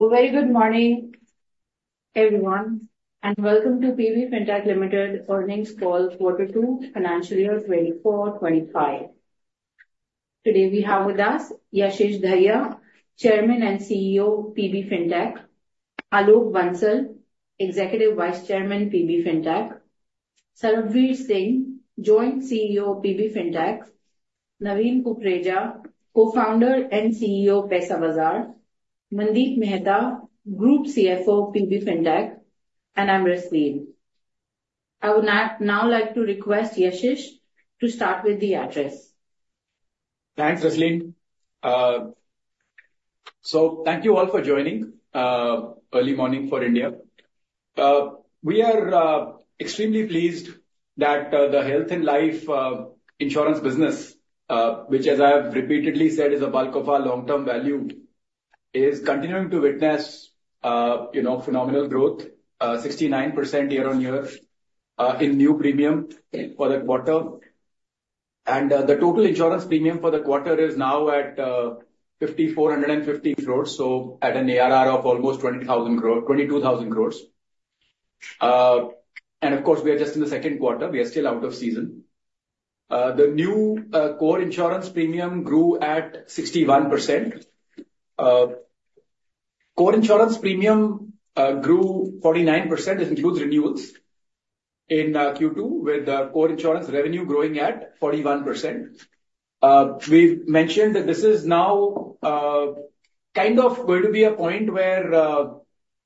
Very good morning, everyone, and welcome to PB Fintech Limited's earnings call for Q2, financial year 2024-25. Today, we have with us Yashish Dahiya, Chairman and CEO of PB Fintech, Alok Bansal, Executive Vice Chairman of PB Fintech, Sarbvir Singh, Joint CEO of PB Fintech, Naveen Kukreja, Co-founder and CEO of Paisabazaar, Mandeep Mehta, Group CFO of PB Fintech, and I'm Rasleen. I would now like to request Yashish to start with the address. Thanks, Rasleen. So, thank you all for joining early morning for India. We are extremely pleased that the health and life insurance business, which, as I have repeatedly said, is a bulk of our long-term value, is continuing to witness phenomenal growth, 69% year-on-year in new premium for the quarter. And the total insurance premium for the quarter is now at 5,450 crores, so at an ARR of almost 22,000 crores. And of course, we are just in the second quarter. We are still out of season. The new core insurance premium grew at 61%. Core insurance premium grew 49%, which includes renewals in Q2, with core insurance revenue growing at 41%. We've mentioned that this is now kind of going to be a point where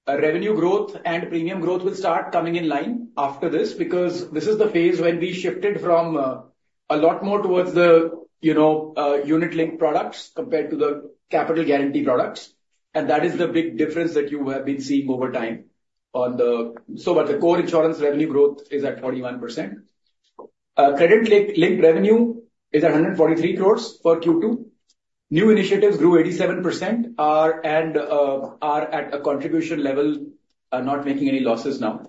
revenue growth and premium growth will start coming in line after this, `because this is the phase when we shifted from a lot more towards the unit-linked products compared to the capital guarantee products. And that is the big difference that you have been seeing over time. So far, the core insurance revenue growth is at 41%. Credit-linked revenue is at 143 crores for Q2. New initiatives grew 87% and are at a contribution level, not making any losses now.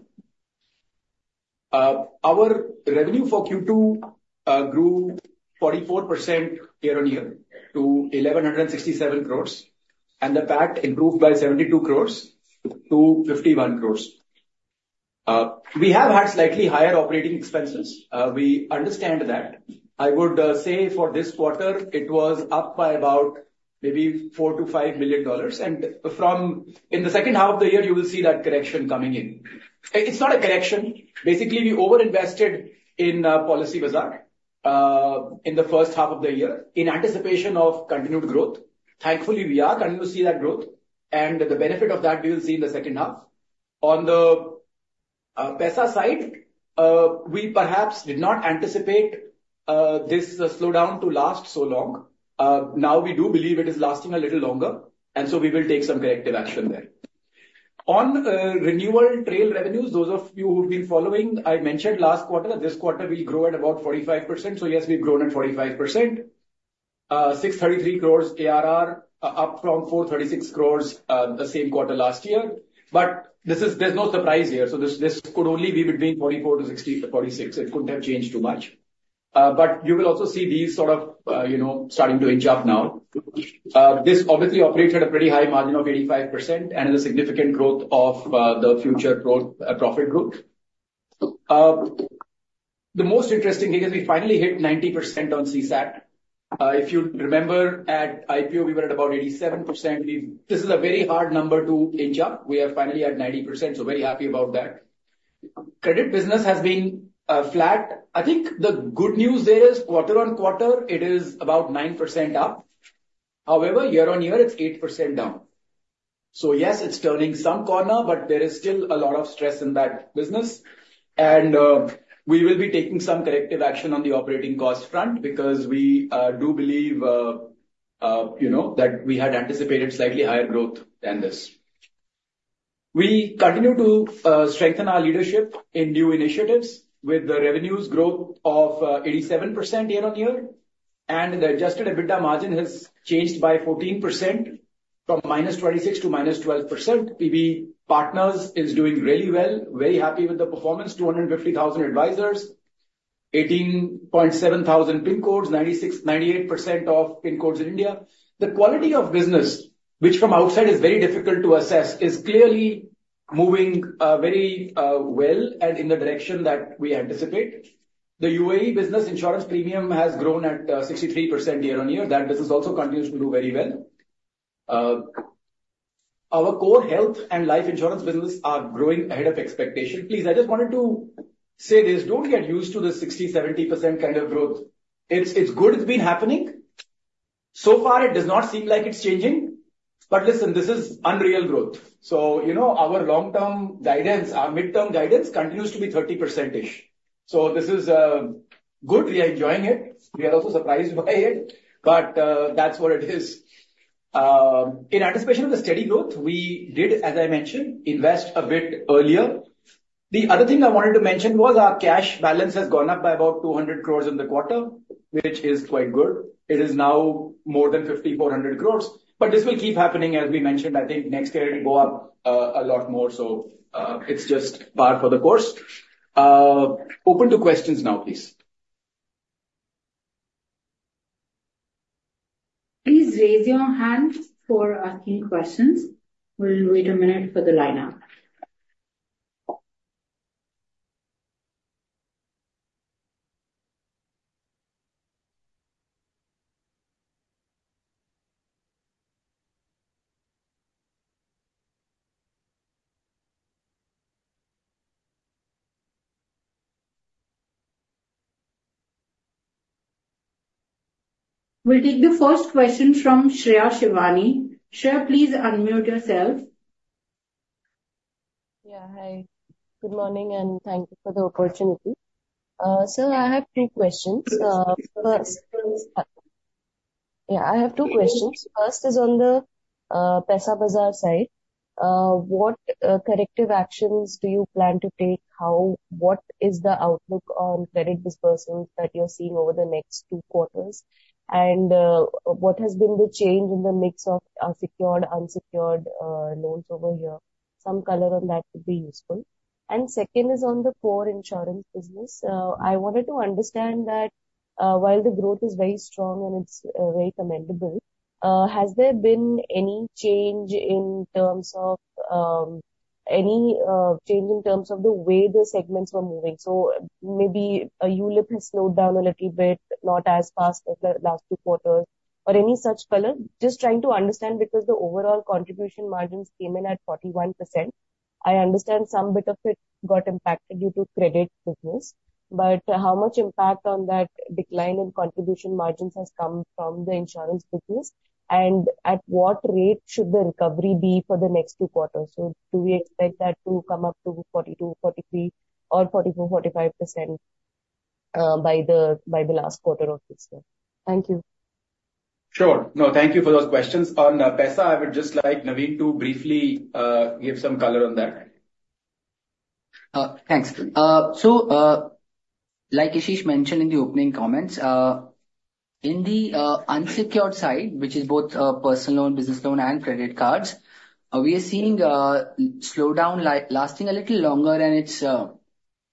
Our revenue for Q2 grew 44% year-on-year to 1,167 crores, and the PAT improved by 72 crores-51 crores. We have had slightly higher operating expenses. We understand that. I would say for this quarter, it was up by about maybe $4-$5 million. And in the second half of the year, you will see that correction coming in. It's not a correction. Basically, we over-invested in Policybazaar in the first half of the year in anticipation of continued growth. Thankfully, we are continuing to see that growth. And the benefit of that, we will see in the second half. On the Paisabazaar side, we perhaps did not anticipate this slowdown to last so long. Now, we do believe it is lasting a little longer. And so we will take some corrective action there. On renewal trail revenues, those of you who've been following, I mentioned last quarter that this quarter will grow at about 45%. So yes, we've grown at 45%. 633 crores ARR, up from 436 crores the same quarter last year. But there's no surprise here. So this could only be between 44% to 46%. It couldn't have changed too much. But you will also see these sort of starting to inch up now. This obviously operated at a pretty high margin of 85% and is a significant growth of the future profit growth. The most interesting thing is we finally hit 90% on CSAT. If you remember, at IPO, we were at about 87%. This is a very hard number to inch up. We are finally at 90%, so very happy about that. Credit business has been flat. I think the good news there is quarter on quarter, it is about 9% up. However, year-on-year, it's 8% down. So yes, it's turning some corner, but there is still a lot of stress in that business. And we will be taking some corrective action on the operating cost front because we do believe that we had anticipated slightly higher growth than this. We continue to strengthen our leadership in new initiatives with the revenue growth of 87% year-on-year. The adjusted EBITDA margin has changed by 14% from minus 26% to minus 12%. PBPartners is doing really well. Very happy with the performance. 250,000 advisors, 18,700 PIN codes, 98% of PIN codes in India. The quality of business, which from outside is very difficult to assess, is clearly moving very well and in the direction that we anticipate. The UAE business insurance premium has grown at 63% year-on-year. That business also continues to do very well. Our core health and life insurance business are growing ahead of expectation. Please, I just wanted to say this. Don't get used to the 60%-70% kind of growth. It's good. It's been happening. So far, it does not seem like it's changing. But listen, this is unreal growth. Our long-term guidance, our midterm guidance continues to be 30%-ish. This is good. We are enjoying it. We are also surprised by it. But that's what it is. In anticipation of the steady growth, we did, as I mentioned, invest a bit earlier. The other thing I wanted to mention was our cash balance has gone up by about 200 crores in the quarter, which is quite good. It is now more than 5,400 crores. But this will keep happening. As we mentioned, I think next year it will go up a lot more. So it's just par for the course. Open to questions now, please. Please raise your hand for asking questions. We'll wait a minute for the lineup. We'll take the first question from Shreya Shivani. Shreya, please unmute yourself. Yeah, hi. Good morning, and thank you for the opportunity. So I have two questions. Yeah, I have two questions. First is on the Paisabazaar side. What corrective actions do you plan to take? What is the outlook on credit disbursals that you're seeing over the next two quarters? And what has been the change in the mix of secured, unsecured loans over here? Some color on that would be useful. And second is on the core insurance business. I wanted to understand that while the growth is very strong and it's very commendable, has there been any change in terms of the way the segments were moving? So maybe ULIP has slowed down a little bit, not as fast as the last two quarters, or any such color? Just trying to understand because the overall contribution margins came in at 41%. I understand some bit of it got impacted due to credit business. But how much impact on that decline in contribution margins has come from the insurance business? And at what rate should the recovery be for the next two quarters? So do we expect that to come up to 42%, 43%, or 44%-45% by the last quarter of this year? Thank you. Sure. No, thank you for those questions. On Paisabazaar, I would just like Naveen to briefly give some color on that. Thanks. So like Yashish mentioned in the opening comments, in the unsecured side, which is both personal loan, business loan, and credit cards, we are seeing slowdown lasting a little longer. And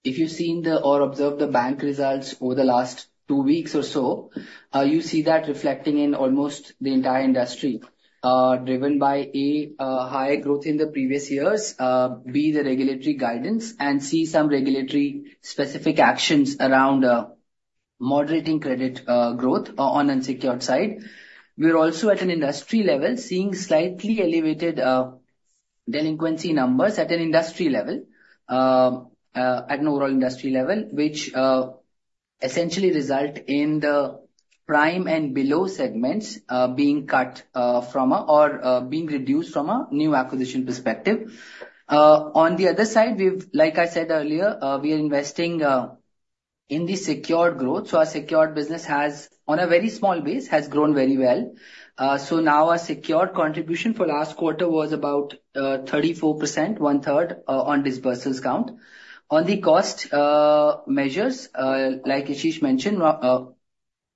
if you've seen or observed the bank results over the last two weeks or so, you see that reflecting in almost the entire industry, driven by, A, higher growth in the previous years, B, the regulatory guidance, and C, some regulatory specific actions around moderating credit growth on the unsecured side. We're also at an industry level seeing slightly elevated delinquency numbers, which essentially result in the prime and below segments being cut from or being reduced from a new acquisition perspective. On the other side, like I said earlier, we are investing in the secured growth. Our secured business, on a very small base, has grown very well. Now our secured contribution for last quarter was about 34%, one-third on disbursal count. On the cost measures, like Yashish mentioned,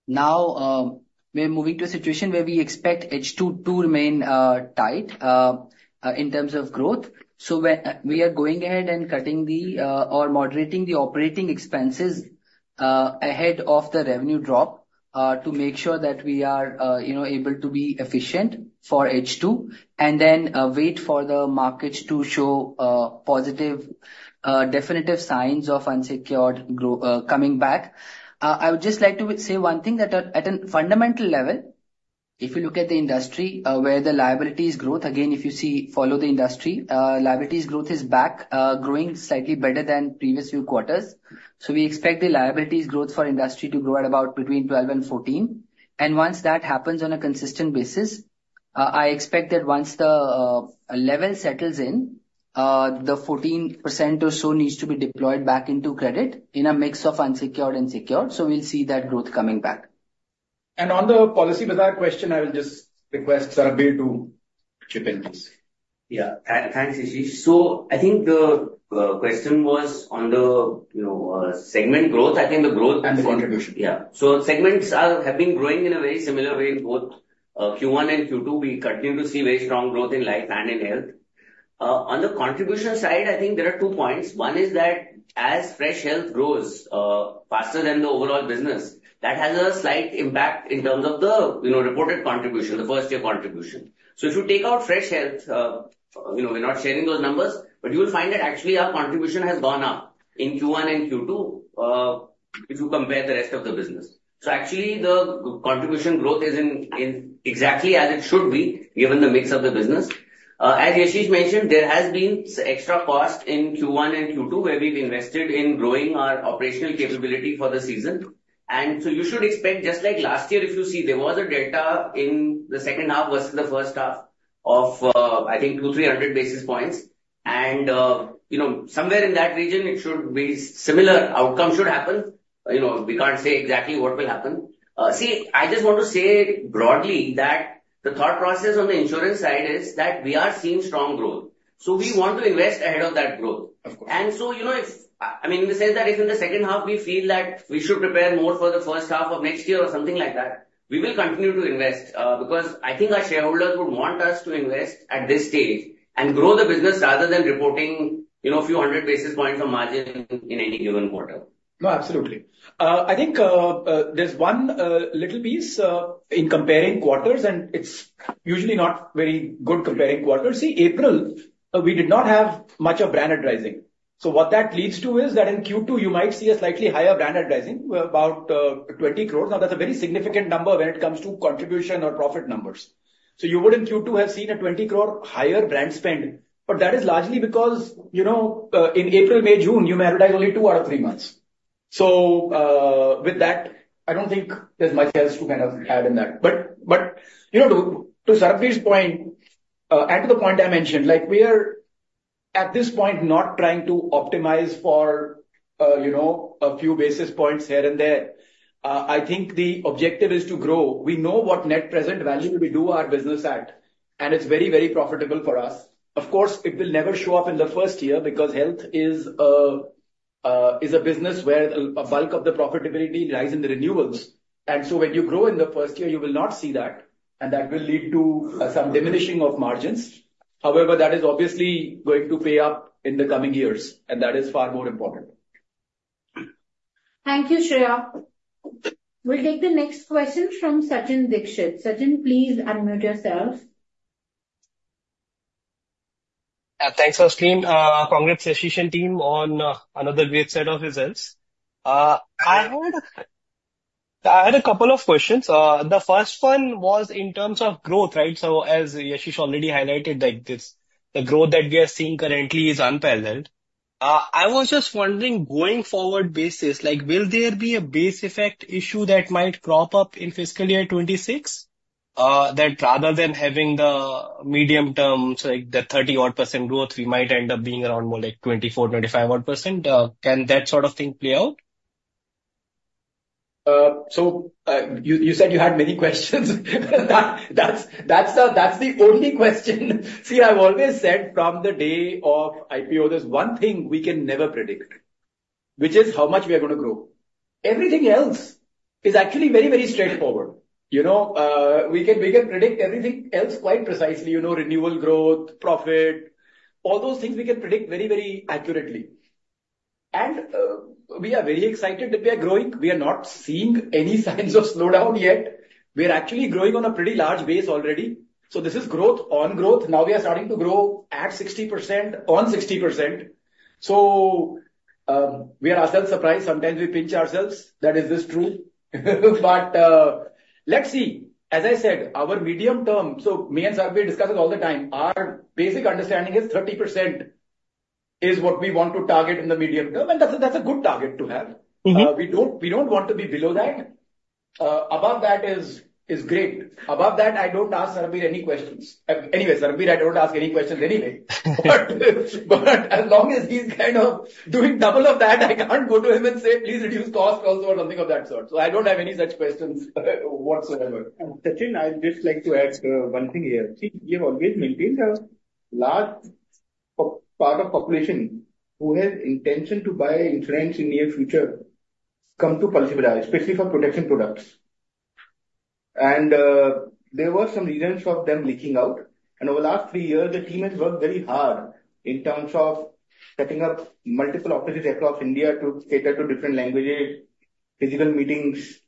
now we're moving to a situation where we expect H2 to remain tight in terms of growth. We are going ahead and cutting the or moderating the operating expenses ahead of the revenue drop to make sure that we are able to be efficient for H2 and then wait for the markets to show positive, definitive signs of unsecured coming back. I would just like to say one thing that at a fundamental level, if you look at the industry where the liabilities growth, again, if you follow the industry, liabilities growth is back, growing slightly better than previous few quarters. So we expect the liabilities growth for industry to grow at about between 12% and 14%. And once that happens on a consistent basis, I expect that once the level settles in, the 14% or so needs to be deployed back into credit in a mix of unsecured and secured. So we'll see that growth coming back. And on the Policybazaar question, I will just request Sarbvir to chip in, please. Yeah, thanks, Yashish. So I think the question was on the segment growth. I think the growth. The contribution. Yeah. So segments have been growing in a very similar way in both Q1 and Q2. We continue to see very strong growth in life and in health. On the contribution side, I think there are two points. One is that as fresh health grows faster than the overall business, that has a slight impact in terms of the reported contribution, the first-year contribution. So if you take out fresh health, we're not sharing those numbers, but you will find that actually our contribution has gone up in Q1 and Q2 if you compare the rest of the business. So actually, the contribution growth is exactly as it should be given the mix of the business. As Yashish mentioned, there has been extra cost in Q1 and Q2 where we've invested in growing our operational capability for the season. And so you should expect, just like last year, if you see, there was a delta in the second half versus the first half of, I think, 200-300 basis points. And somewhere in that region, it should be similar outcome should happen. We can't say exactly what will happen. See, I just want to say broadly that the thought process on the insurance side is that we are seeing strong growth. So we want to invest ahead of that growth. And so I mean, in the sense that if in the second half, we feel that we should prepare more for the first half of next year or something like that, we will continue to invest because I think our shareholders would want us to invest at this stage and grow the business rather than reporting a few hundred basis points of margin in any given quarter. No, absolutely. I think there's one little piece in comparing quarters, and it's usually not very good comparing quarters. See, April, we did not have much of brand advertising. So what that leads to is that in Q2, you might see a slightly higher brand advertising, about 20 crores. Now, that's a very significant number when it comes to contribution or profit numbers. So, wouldn't Q2 have seen a 20 crore higher brand spend. But that is largely because in April, May, June, you may advertise only two out of three months. So with that, I don't think there's much else to kind of add in that. But to Sarbvir's point and to the point I mentioned, we are at this point not trying to optimize for a few basis points here and there. I think the objective is to grow. We know what net present value we do our business at, and it's very, very profitable for us. Of course, it will never show up in the first year because health is a business where a bulk of the profitability lies in the renewals. So when you grow in the first year, you will not see that. And that will lead to some diminishing of margins. However, that is obviously going to pay up in the coming years, and that is far more important. Thank you, Shreya. We'll take the next question from Sachin Dixit. Sachin, please unmute yourself. Thanks, Rasleen. Congrats, Yashish and team, on another great set of results. I had a couple of questions. The first one was in terms of growth, right? So as Yashish already highlighted, the growth that we are seeing currently is unparalleled. I was just wondering, going forward basis, will there be a base effect issue that might crop up in fiscal year 2026 that rather than having the medium-term, like the 30-odd% growth, we might end up being around more like 24, 25-odd%? Can that sort of thing play out? So you said you had many questions. That's the only question. See, I've always said from the day of IPO, there's one thing we can never predict, which is how much we are going to grow. Everything else is actually very, very straightforward. We can predict everything else quite precisely. Renewal growth, profit, all those things we can predict very, very accurately. And we are very excited that we are growing. We are not seeing any signs of slowdown yet. We are actually growing on a pretty large base already. So this is growth on growth. Now we are starting to grow at 60%, on 60%. So we are ourselves surprised. Sometimes we pinch ourselves. That is this true. But let's see. As I said, our medium-term, so me and Sarbvir discuss it all the time, our basic understanding is 30% is what we want to target in the medium-term. That's a good target to have. We don't want to be below that. Above that is great. Above that, I don't ask Sarbvir any questions. Anyway, Sarbvir, I don't ask any questions anyway. But as long as he's kind of doing double of that, I can't go to him and say, "Please reduce cost also," or something of that sort. So I don't have any such questions whatsoever. Sachin, I'd just like to add one thing here. See, we have always maintained a large part of population who has intention to buy insurance in the near future come to Policybazaar, especially for protection products. And there were some reasons for them leaking out. And over the last three years, the team has worked very hard in terms of setting up multiple offices across India to cater to different languages, physical meetings,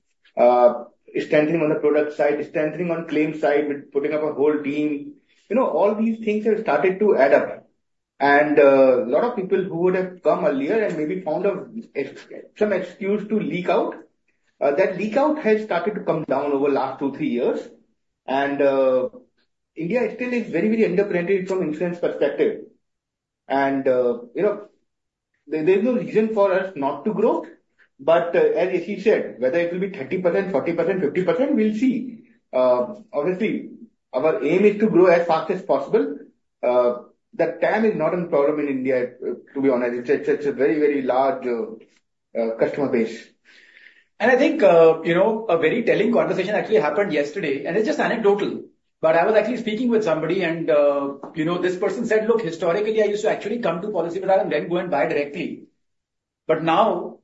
strengthening on the product side, strengthening on claims side with putting up a whole team. All these things have started to add up. And a lot of people who would have come earlier and maybe found some excuse to leak out, that leak out has started to come down over the last two, three years. And India still is very, very underprivileged from insurance perspective. And there's no reason for us not to grow. But as Yashish said, whether it will be 30%, 40%, 50%, we'll see. Obviously, our aim is to grow as fast as possible. That time is not a problem in India, to be honest. It's a very, very large customer base. And I think a very telling conversation actually happened yesterday. And it's just anecdotal. But I was actually speaking with somebody, and this person said, "Look, historically, I used to actually come to Policybazaar and then go and buy directly. But now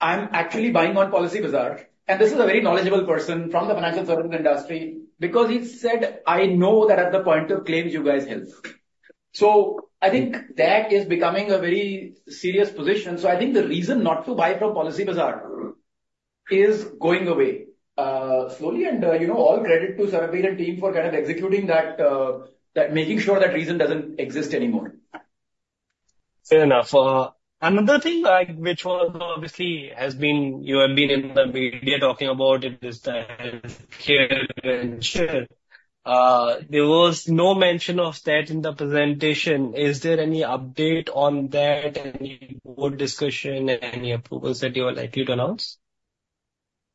I'm actually buying on Policybazaar." And this is a very knowledgeable person from the financial services industry because he said, "I know that at the point of claims, you guys help." So I think that is becoming a very serious position. So I think the reason not to buy from Policybazaar is going away slowly. All credit to Sarbvir and team for kind of executing that, making sure that reason doesn't exist anymore. Fair enough. Another thing which obviously has been you have been in the media talking about is the healthcare insurance. There was no mention of that in the presentation. Is there any update on that, any board discussion, any approvals that you are likely to announce?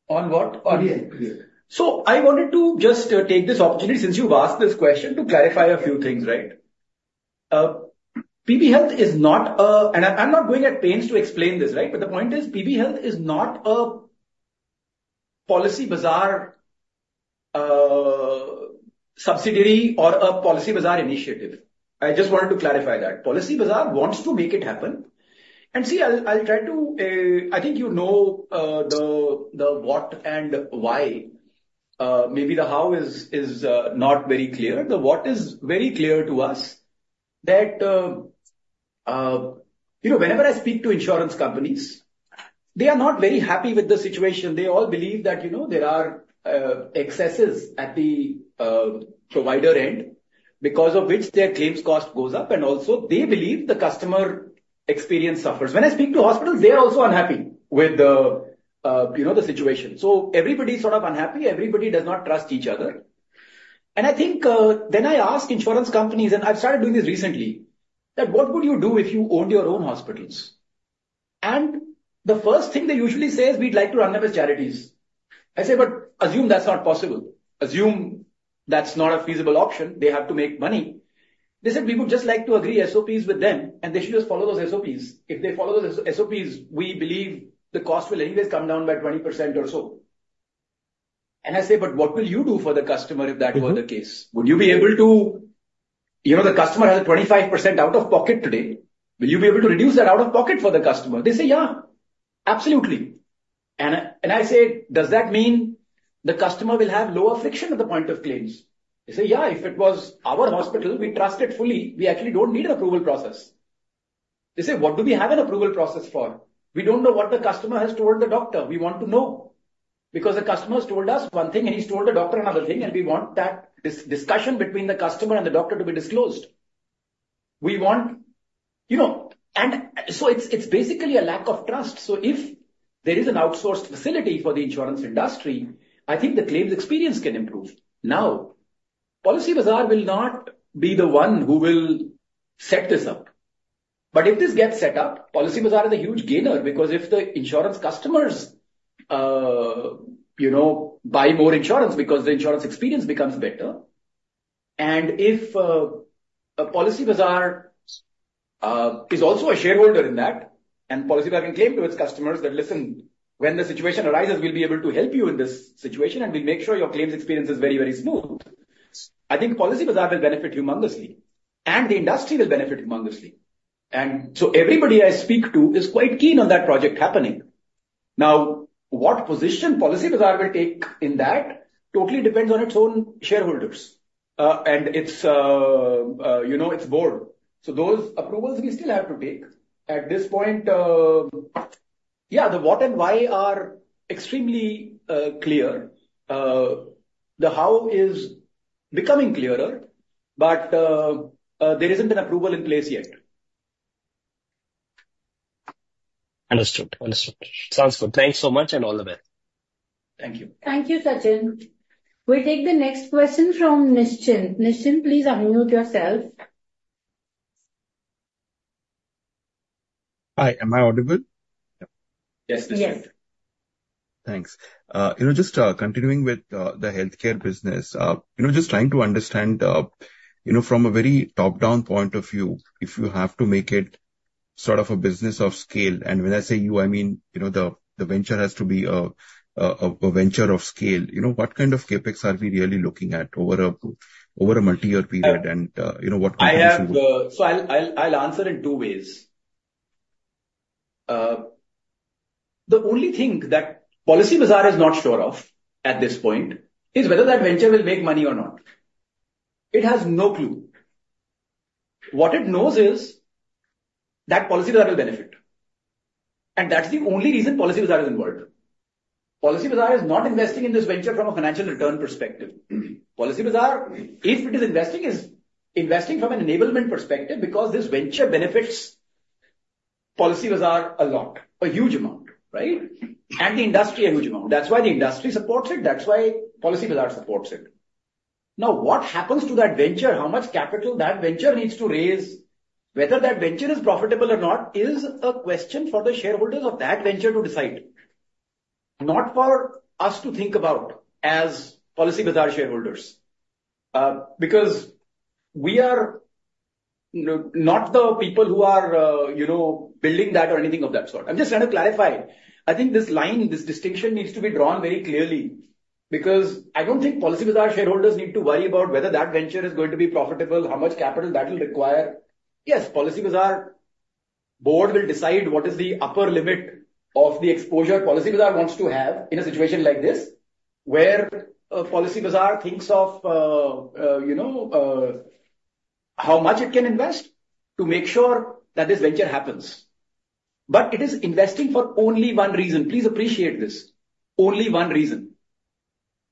On what? Yes. So I wanted to just take this opportunity, since you've asked this question, to clarify a few things, right? PB Health is not a, and I'm not going at pains to explain this, right? But the point is PB Health is not a Policybazaar subsidiary or a Policybazaar initiative. I just wanted to clarify that. Policybazaar wants to make it happen. And see, I'll try to, I think you know the what and why. Maybe the how is not very clear. The what is very clear to us that whenever I speak to insurance companies, they are not very happy with the situation. They all believe that there are excesses at the provider end because of which their claims cost goes up. And also, they believe the customer experience suffers. When I speak to hospitals, they are also unhappy with the situation. So everybody's sort of unhappy. Everybody does not trust each other. I think then I asked insurance companies, and I've started doing this recently, that what would you do if you owned your own hospitals? The first thing they usually say is, "We'd like to run them as charities." I say, "But assume that's not possible. Assume that's not a feasible option. They have to make money." They said, "We would just like to agree SOPs with them, and they should just follow those SOPs. If they follow those SOPs, we believe the cost will anyways come down by 20% or so." I say, "But what will you do for the customer if that were the case? Would you be able to? The customer has a 25% out of pocket today. Will you be able to reduce that out of pocket for the customer?" They say, "Yeah, absolutely." And I say, "Does that mean the customer will have lower friction at the point of claims?" They say, "Yeah, if it was our hospital, we trust it fully. We actually don't need an approval process." They say, "What do we have an approval process for? We don't know what the customer has told the doctor. We want to know because the customer has told us one thing, and he's told the doctor another thing. And we want that discussion between the customer and the doctor to be disclosed. We want." And so it's basically a lack of trust. So if there is an outsourced facility for the insurance industry, I think the claims experience can improve. Now, Policybazaar will not be the one who will set this up. But if this gets set up, Policybazaar is a huge gainer because if the insurance customers buy more insurance because the insurance experience becomes better. And if Policybazaar is also a shareholder in that, and Policybazaar can claim to its customers that, "Listen, when the situation arises, we'll be able to help you in this situation, and we'll make sure your claims experience is very, very smooth," I think Policybazaar will benefit humongously. And the industry will benefit humongously. And so everybody I speak to is quite keen on that project happening. Now, what position Policybazaar will take in that totally depends on its own shareholders and its board. So those approvals we still have to take. At this point, yeah, the what and why are extremely clear. The how is becoming clearer, but there isn't an approval in place yet. Understood. Understood. Sounds good. Thanks so much and all the best. Thank you. Thank you, Sachin. We'll take the next question from Nidhesh. Nidhesh, please unmute yourself. Hi. Am I audible? Yes, Nidhesh. Thanks. Just continuing with the healthcare business, just trying to understand from a very top-down point of view, if you have to make it sort of a business of scale, and when I say you, I mean the venture has to be a venture of scale, what kind of CapEx are we really looking at over a multi-year period? And what companies you will? So I'll answer in two ways. The only thing that Policybazaar is not sure of at this point is whether that venture will make money or not. It has no clue. What it knows is that Policy will benefit. And that's the only reason Policybazaar is involved. Policybazaar is not investing in this venture from a financial return perspective. Policybazaar, if it is investing, is investing from an enablement perspective because this venture benefits Policybazaar a lot, a huge amount, right? And the industry a huge amount. That's why the industry supports it. That's why Policybazaar supports it. Now, what happens to that venture, how much capital that venture needs to raise, whether that venture is profitable or not, is a question for the shareholders of that venture to decide, not for us to think about as Policybazaar shareholders because we are not the people who are building that or anything of that sort. I'm just trying to clarify. I think this line, this distinction needs to be drawn very clearly because I don't think Policybazaar shareholders need to worry about whether that venture is going to be profitable, how much capital that will require. Yes, Policybazaar board will decide what is the upper limit of the exposure Policybazaar wants to have in a situation like this where Policybazaar thinks of how much it can invest to make sure that this venture happens. But it is investing for only one reason. Please appreciate this. Only one reason,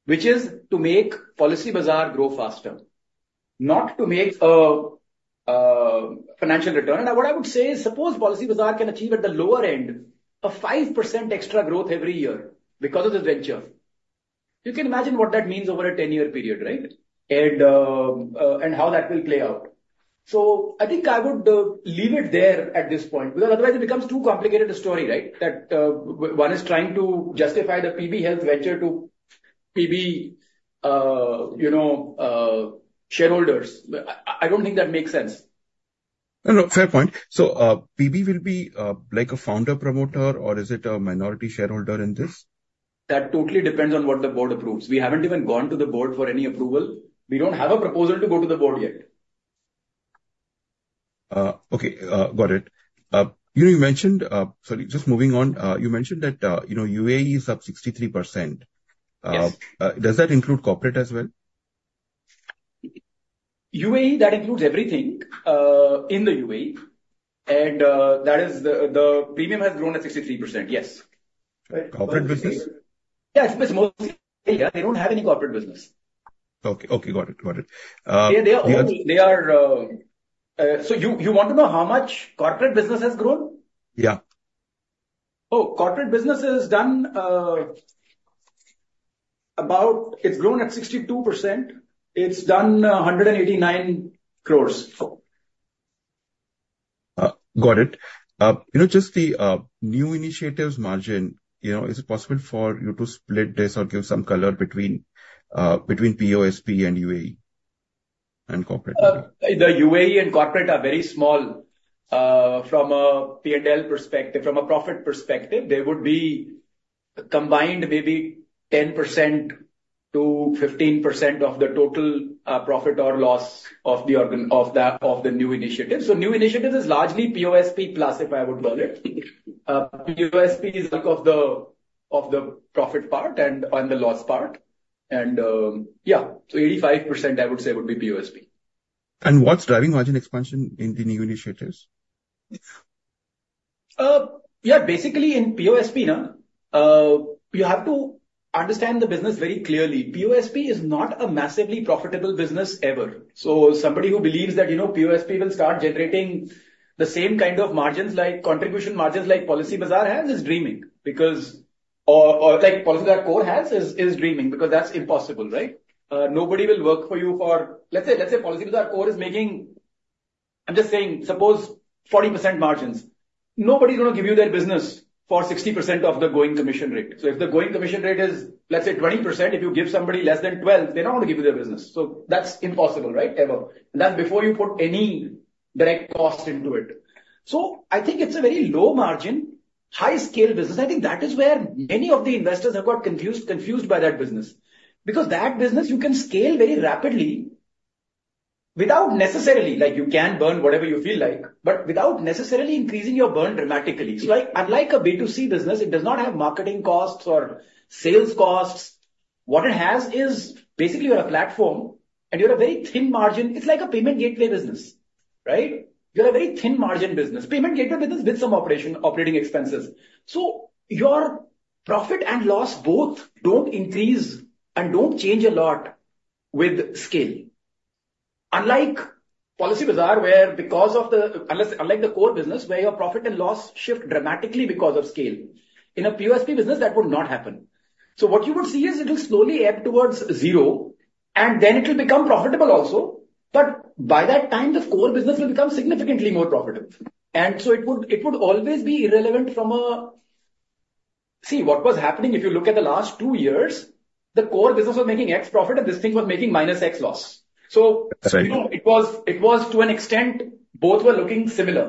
which is to make Policybazaar grow faster, not to make a financial return. And what I would say is, suppose Policybazaar can achieve at the lower end a 5% extra growth every year because of this venture. You can imagine what that means over a 10-year period, right? And how that will play out. So I think I would leave it there at this point because otherwise it becomes too complicated a story, right? That one is trying to justify the PB Health venture to PB shareholders. I don't think that makes sense. Fair point, so PB will be like a founder promoter, or is it a minority shareholder in this? That totally depends on what the board approves. We haven't even gone to the board for any approval. We don't have a proposal to go to the board yet. Okay. Got it. You mentioned, sorry, just moving on. You mentioned that UAE is up 63%. Does that include corporate as well? UAE, that includes everything in the UAE. And the premium has grown at 63%, yes. Corporate business? Yeah, it's mostly. Yeah, they don't have any corporate business. Okay. Okay. Got it. Got it. Yeah, they are almost, so you want to know how much corporate business has grown? Yeah. Oh, corporate business is done about, it's grown at 62%. It's done 189 crores. Got it. Just the new initiatives margin, is it possible for you to split this or give some color between POSP and UAE and corporate? The UAE and corporate are very small from a P&L perspective. From a profit perspective, they would be combined maybe 10%-15% of the total profit or loss of the new initiative. So new initiative is largely POSP plus, if I would call it. POSP is of the profit part and the loss part. And yeah, so 85%, I would say, would be POSP. What's driving margin expansion in the new initiatives? Yeah, basically in POSP, you have to understand the business very clearly. POSP is not a massively profitable business ever. So somebody who believes that POSP will start generating the same kind of margins like contribution margins like Policybazaar has is dreaming because that's impossible, right? Nobody will work for you for, let's say Policybazaar core is making, I'm just saying, suppose 40% margins. Nobody's going to give you their business for 60% of the going commission rate. So if the going commission rate is, let's say, 20%, if you give somebody less than 12%, they're not going to give you their business. So that's impossible, right? Ever, and that's before you put any direct cost into it. So I think it's a very low margin, high-scale business. I think that is where many of the investors have got confused by that business because that business, you can scale very rapidly without necessarily—like you can burn whatever you feel like, but without necessarily increasing your burn dramatically. So unlike a B2C business, it does not have marketing costs or sales costs. What it has is basically you're a platform, and you're a very thin margin. It's like a payment gateway business, right? You're a very thin margin business, payment gateway business with some operating expenses. So your profit and loss both don't increase and don't change a lot with scale. Unlike Policybazaar where, because of the, unlike the core business where your profit and loss shift dramatically because of scale, in a POSP business, that would not happen. So what you would see is it will slowly ebb towards zero, and then it will become profitable also. But by that time, the core business will become significantly more profitable. and so it would always be irrelevant from a, see, what was happening if you look at the last two years, the core business was making X profit, and this thing was making minus X loss. so it was to an extent both were looking similar.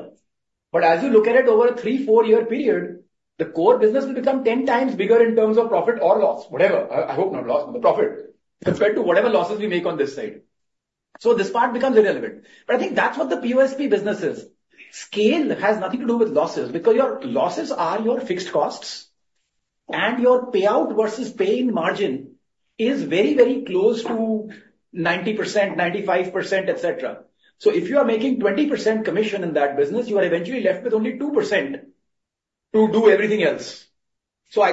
but as you look at it over a three, four-year period, the core business will become 10 times bigger in terms of profit or loss, whatever. I hope not loss, but the profit compared to whatever losses we make on this side. so this part becomes irrelevant. but I think that's what the POSP business is. Scale has nothing to do with losses because your losses are your fixed costs, and your payout versus paying margin is very, very close to 90%, 95%, etc. So if you are making 20% commission in that business, you are eventually left with only 2% to do everything else. So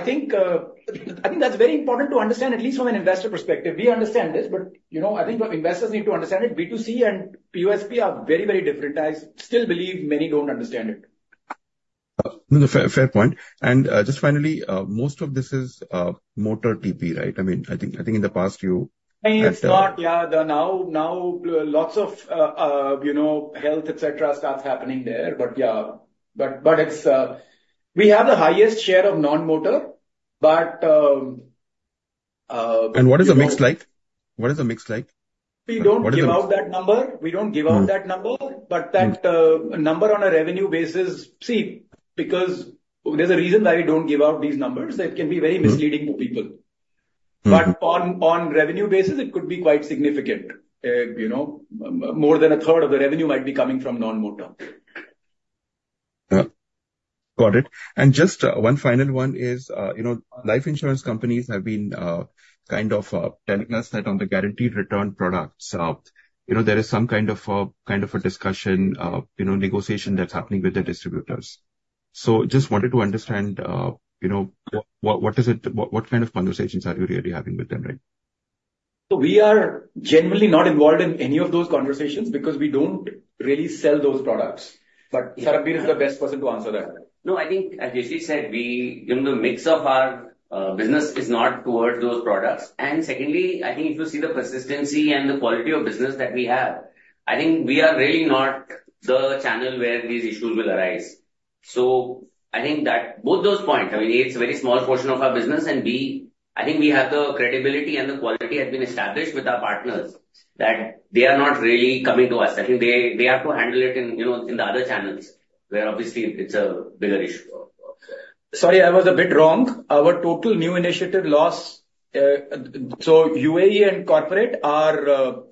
I think that's very important to understand, at least from an investor perspective. We understand this, but I think investors need to understand it. B2C and POSP are very, very different. I still believe many don't understand it. Fair point. And just finally, most of this is motor TP, right? I mean, I think in the past you... It's not. Yeah, now lots of health, etc., starts happening there. But yeah, but we have the highest share of non-motor, but. What is the mix like? What is the mix like? We don't give out that number. We don't give out that number. But that number on a revenue basis, see, because there's a reason why we don't give out these numbers. It can be verymisleading for people. But on revenue basis, it could be quite significant. More than a third of the revenue might be coming from non-motor. Got it. And just one final one is life insurance companies have been kind of telling us that on the guaranteed return products, there is some kind of a discussion, negotiation that's happening with the distributors. So just wanted to understand what kind of conversations are you really having with them, right? We are genuinely not involved in any of those conversations because we don't really sell those products. But Sarbvir is the best person to answer that. No, I think, as Nidhesh said, the mix of our business is not towards those products. And secondly, I think if you see the persistency and the quality of business that we have, I think we are really not the channel where these issues will arise. So I think that both those points, I mean, A, it's a very small portion of our business, and B, I think we have the credibility and the quality has been established with our partners that they are not really coming to us. I think they have to handle it in the other channels where obviously it's a bigger issue. Sorry, I was a bit wrong. Our total new initiative loss, so UAE and corporate are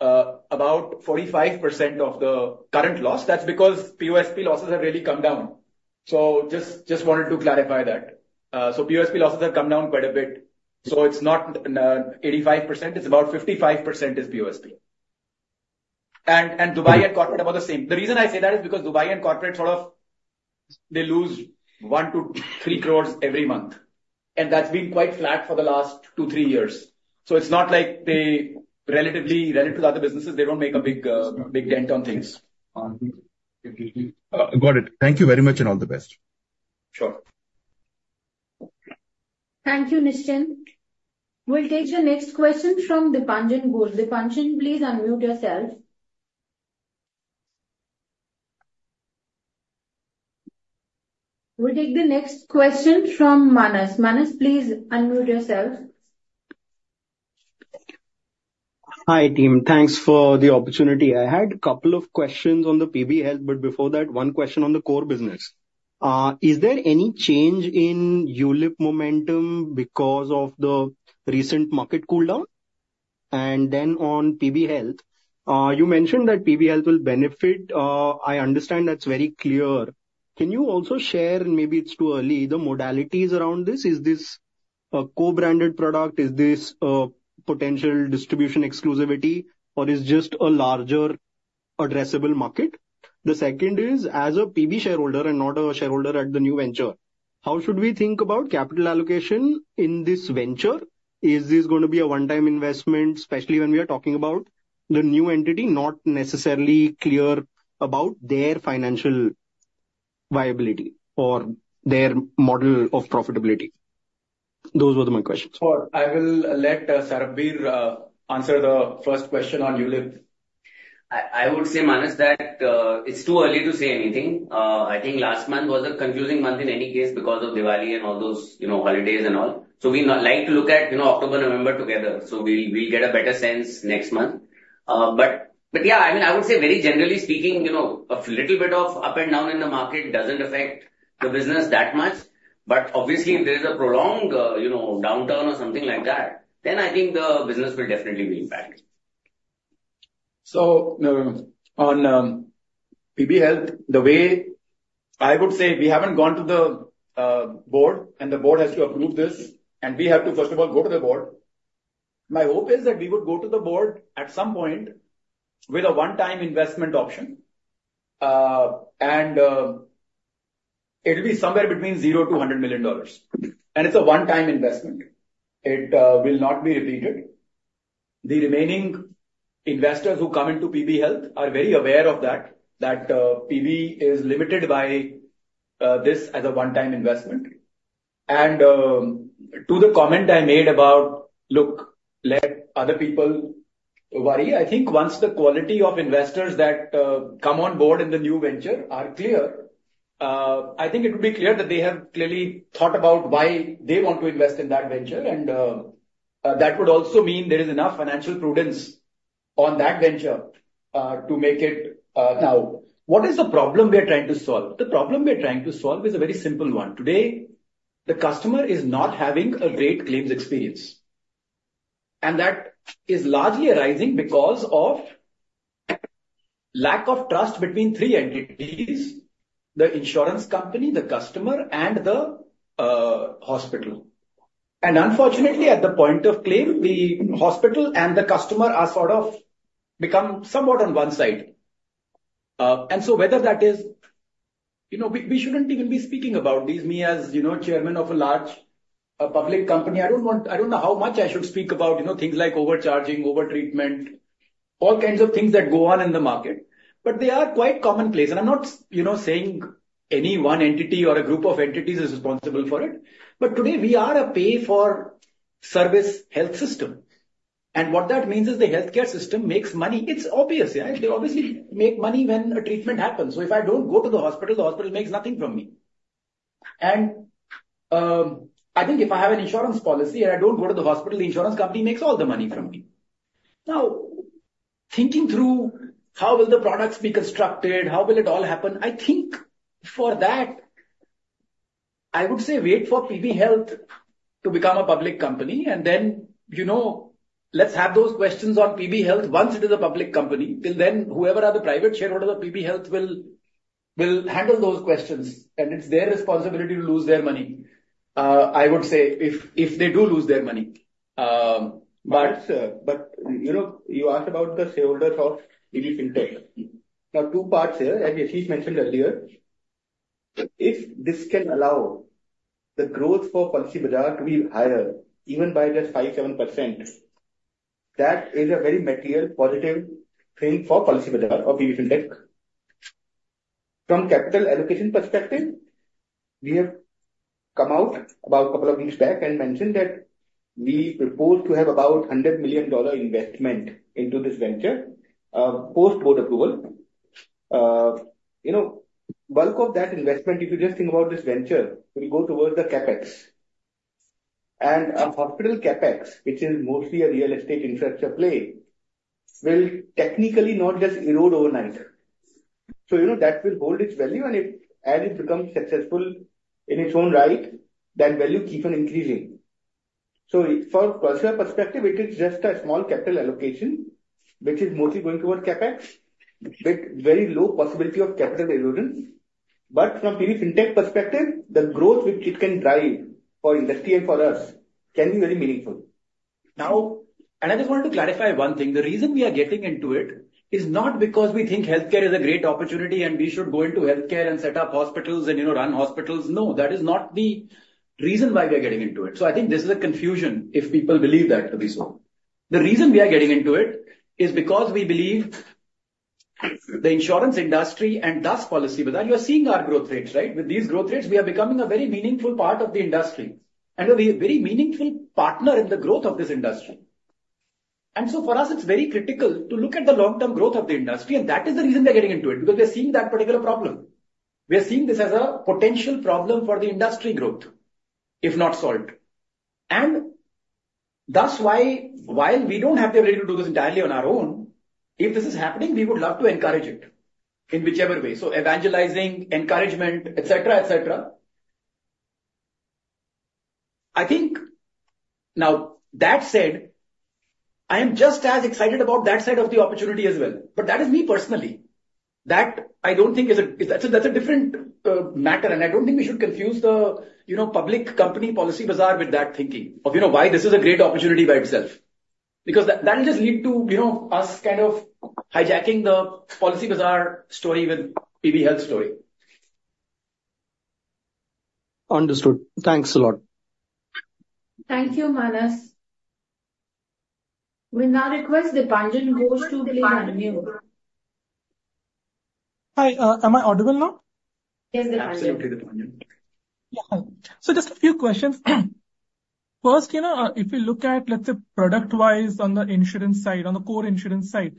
about 45% of the current loss. That's because POSP losses have really come down. So just wanted to clarify that. So POSP losses have come down quite a bit. So it's not 85%. It's about 55% is POSP. And Dubai and corporate are about the same. The reason I say that is because Dubai and corporate sort of they lose 1-3 crores every month. And that's been quite flat for the last two, three years. So it's not like they, relatively to other businesses, they don't make a big dent on things. Got it. Thank you very much and all the best. Sure. Thank you, Nidhesh. We'll take the next question from Dipanjan Ghosh. Dipanjan, please unmute yourself. We'll take the next question from Manas. Manas, please unmute yourself. Hi, team. Thanks for the opportunity. I had a couple of questions on the PB Health, but before that, one question on the core business. Is there any change in ULIP momentum because of the recent market cooldown? And then on PB Health, you mentioned that PB Health will benefit. I understand that's very clear. Can you also share, and maybe it's too early, the modalities around this? Is this a co-branded product? Is this a potential distribution exclusivity, or is it just a larger addressable market? The second is, as a PB shareholder and not a shareholder at the new venture, how should we think about capital allocation in this venture? Is this going to be a one-time investment, especially when we are talking about the new entity, not necessarily clear about their financial viability or their model of profitability? Those were my questions. I will let Sarbvir answer the first question on ULIP. I would say, Manas, that it's too early to say anything. I think last month was a confusing month in any case because of Diwali and all those holidays and all. So we like to look at October, November together. So we'll get a better sense next month. But yeah, I mean, I would say very generally speaking, a little bit of up and down in the market doesn't affect the business that much. But obviously, if there is a prolonged downturn or something like that, then I think the business will definitely be impacted. On PB Health, the way I would say we haven't gone to the board, and the board has to approve this, and we have to, first of all, go to the board. My hope is that we would go to the board at some point with a one-time investment option, and it will be somewhere between $0-$100 million. It's a one-time investment. It will not be repeated. The remaining investors who come into PB Health are very aware of that, that PB is limited by this as a one-time investment. To the comment I made about, "Look, let other people worry," I think once the quality of investors that come on board in the new venture are clear, I think it would be clear that they have clearly thought about why they want to invest in that venture. That would also mean there is enough financial prudence on that venture to make it now. What is the problem we are trying to solve? The problem we are trying to solve is a very simple one. Today, the customer is not having a great claims experience. And that is largely arising because of lack of trust between three entities: the insurance company, the customer, and the hospital. And unfortunately, at the point of claim, the hospital and the customer are sort of become somewhat on one side. And so whether that is, we shouldn't even be speaking about these. Me, as Chairman of a large public company, I don't know how much I should speak about things like overcharging, overtreatment, all kinds of things that go on in the market. But they are quite commonplace. I'm not saying any one entity or a group of entities is responsible for it. But today, we are a pay-for-service health system. And what that means is the healthcare system makes money. It's obvious. They obviously make money when a treatment happens. So if I don't go to the hospital, the hospital makes nothing from me. And I think if I have an insurance policy and I don't go to the hospital, the insurance company makes all the money from me. Now, thinking through how will the products be constructed, how will it all happen, I think for that, I would say wait for PB Health to become a public company. And then let's have those questions on PB Health once it is a public company. Till then, whoever are the private shareholders of PB Health will handle those questions. It's their responsibility to lose their money, I would say, if they do lose their money. But you asked about the shareholders of PB Fintech. Now, two parts here. As Nidhesh mentioned earlier, if this can allow the growth for Policybazaar to be higher, even by just 5%, 7%, that is a very material positive thing for Policybazaar or PB Fintech. From capital allocation perspective, we have come out about a couple of weeks back and mentioned that we propose to have about $100 million investment into this venture post-board approval. Bulk of that investment, if you just think about this venture, will go towards the CapEx. And a hospital CapEx, which is mostly a real estate infrastructure play, will technically not just erode overnight. So that will hold its value. And as it becomes successful in its own right, that value keeps on increasing. So from a perspective, it is just a small capital allocation, which is mostly going towards CapEx with very low possibility of capital erosion. But from PB Fintech perspective, the growth which it can drive for industry and for us can be very meaningful. Now and I just wanted to clarify one thing. The reason we are getting into it is not because we think healthcare is a great opportunity and we should go into healthcare and set up hospitals and run hospitals. No, that is not the reason why we are getting into it. So I think this is a confusion if people believe that to be so. The reason we are getting into it is because we believe the insurance industry and thus Policybazaar, you are seeing our growth rates, right? With these growth rates, we are becoming a very meaningful part of the industry and a very meaningful partner in the growth of this industry, and so for us, it's very critical to look at the long-term growth of the industry. And that is the reason we are getting into it because we are seeing that particular problem. We are seeing this as a potential problem for the industry growth, if not solved. And thus why, while we don't have the ability to do this entirely on our own, if this is happening, we would love to encourage it in whichever way, so evangelizing, encouragement, etc., etc. I think now that said, I am just as excited about that side of the opportunity as well, but that is me personally, that I don't think is a different matter. I don't think we should confuse the public company Policybazaar with that thinking of why this is a great opportunity by itself. Because that will just lead to us kind of hijacking the Policybazaar story with PB Health story. Understood. Thanks a lot. Thank you, Manas. With that request, Dipanjan [audio inaudible]. Hi. Am I audible now? Yes, Dipanjan. So just a few questions. First, if you look at, let's say, product-wise on the insurance side, on the core insurance side,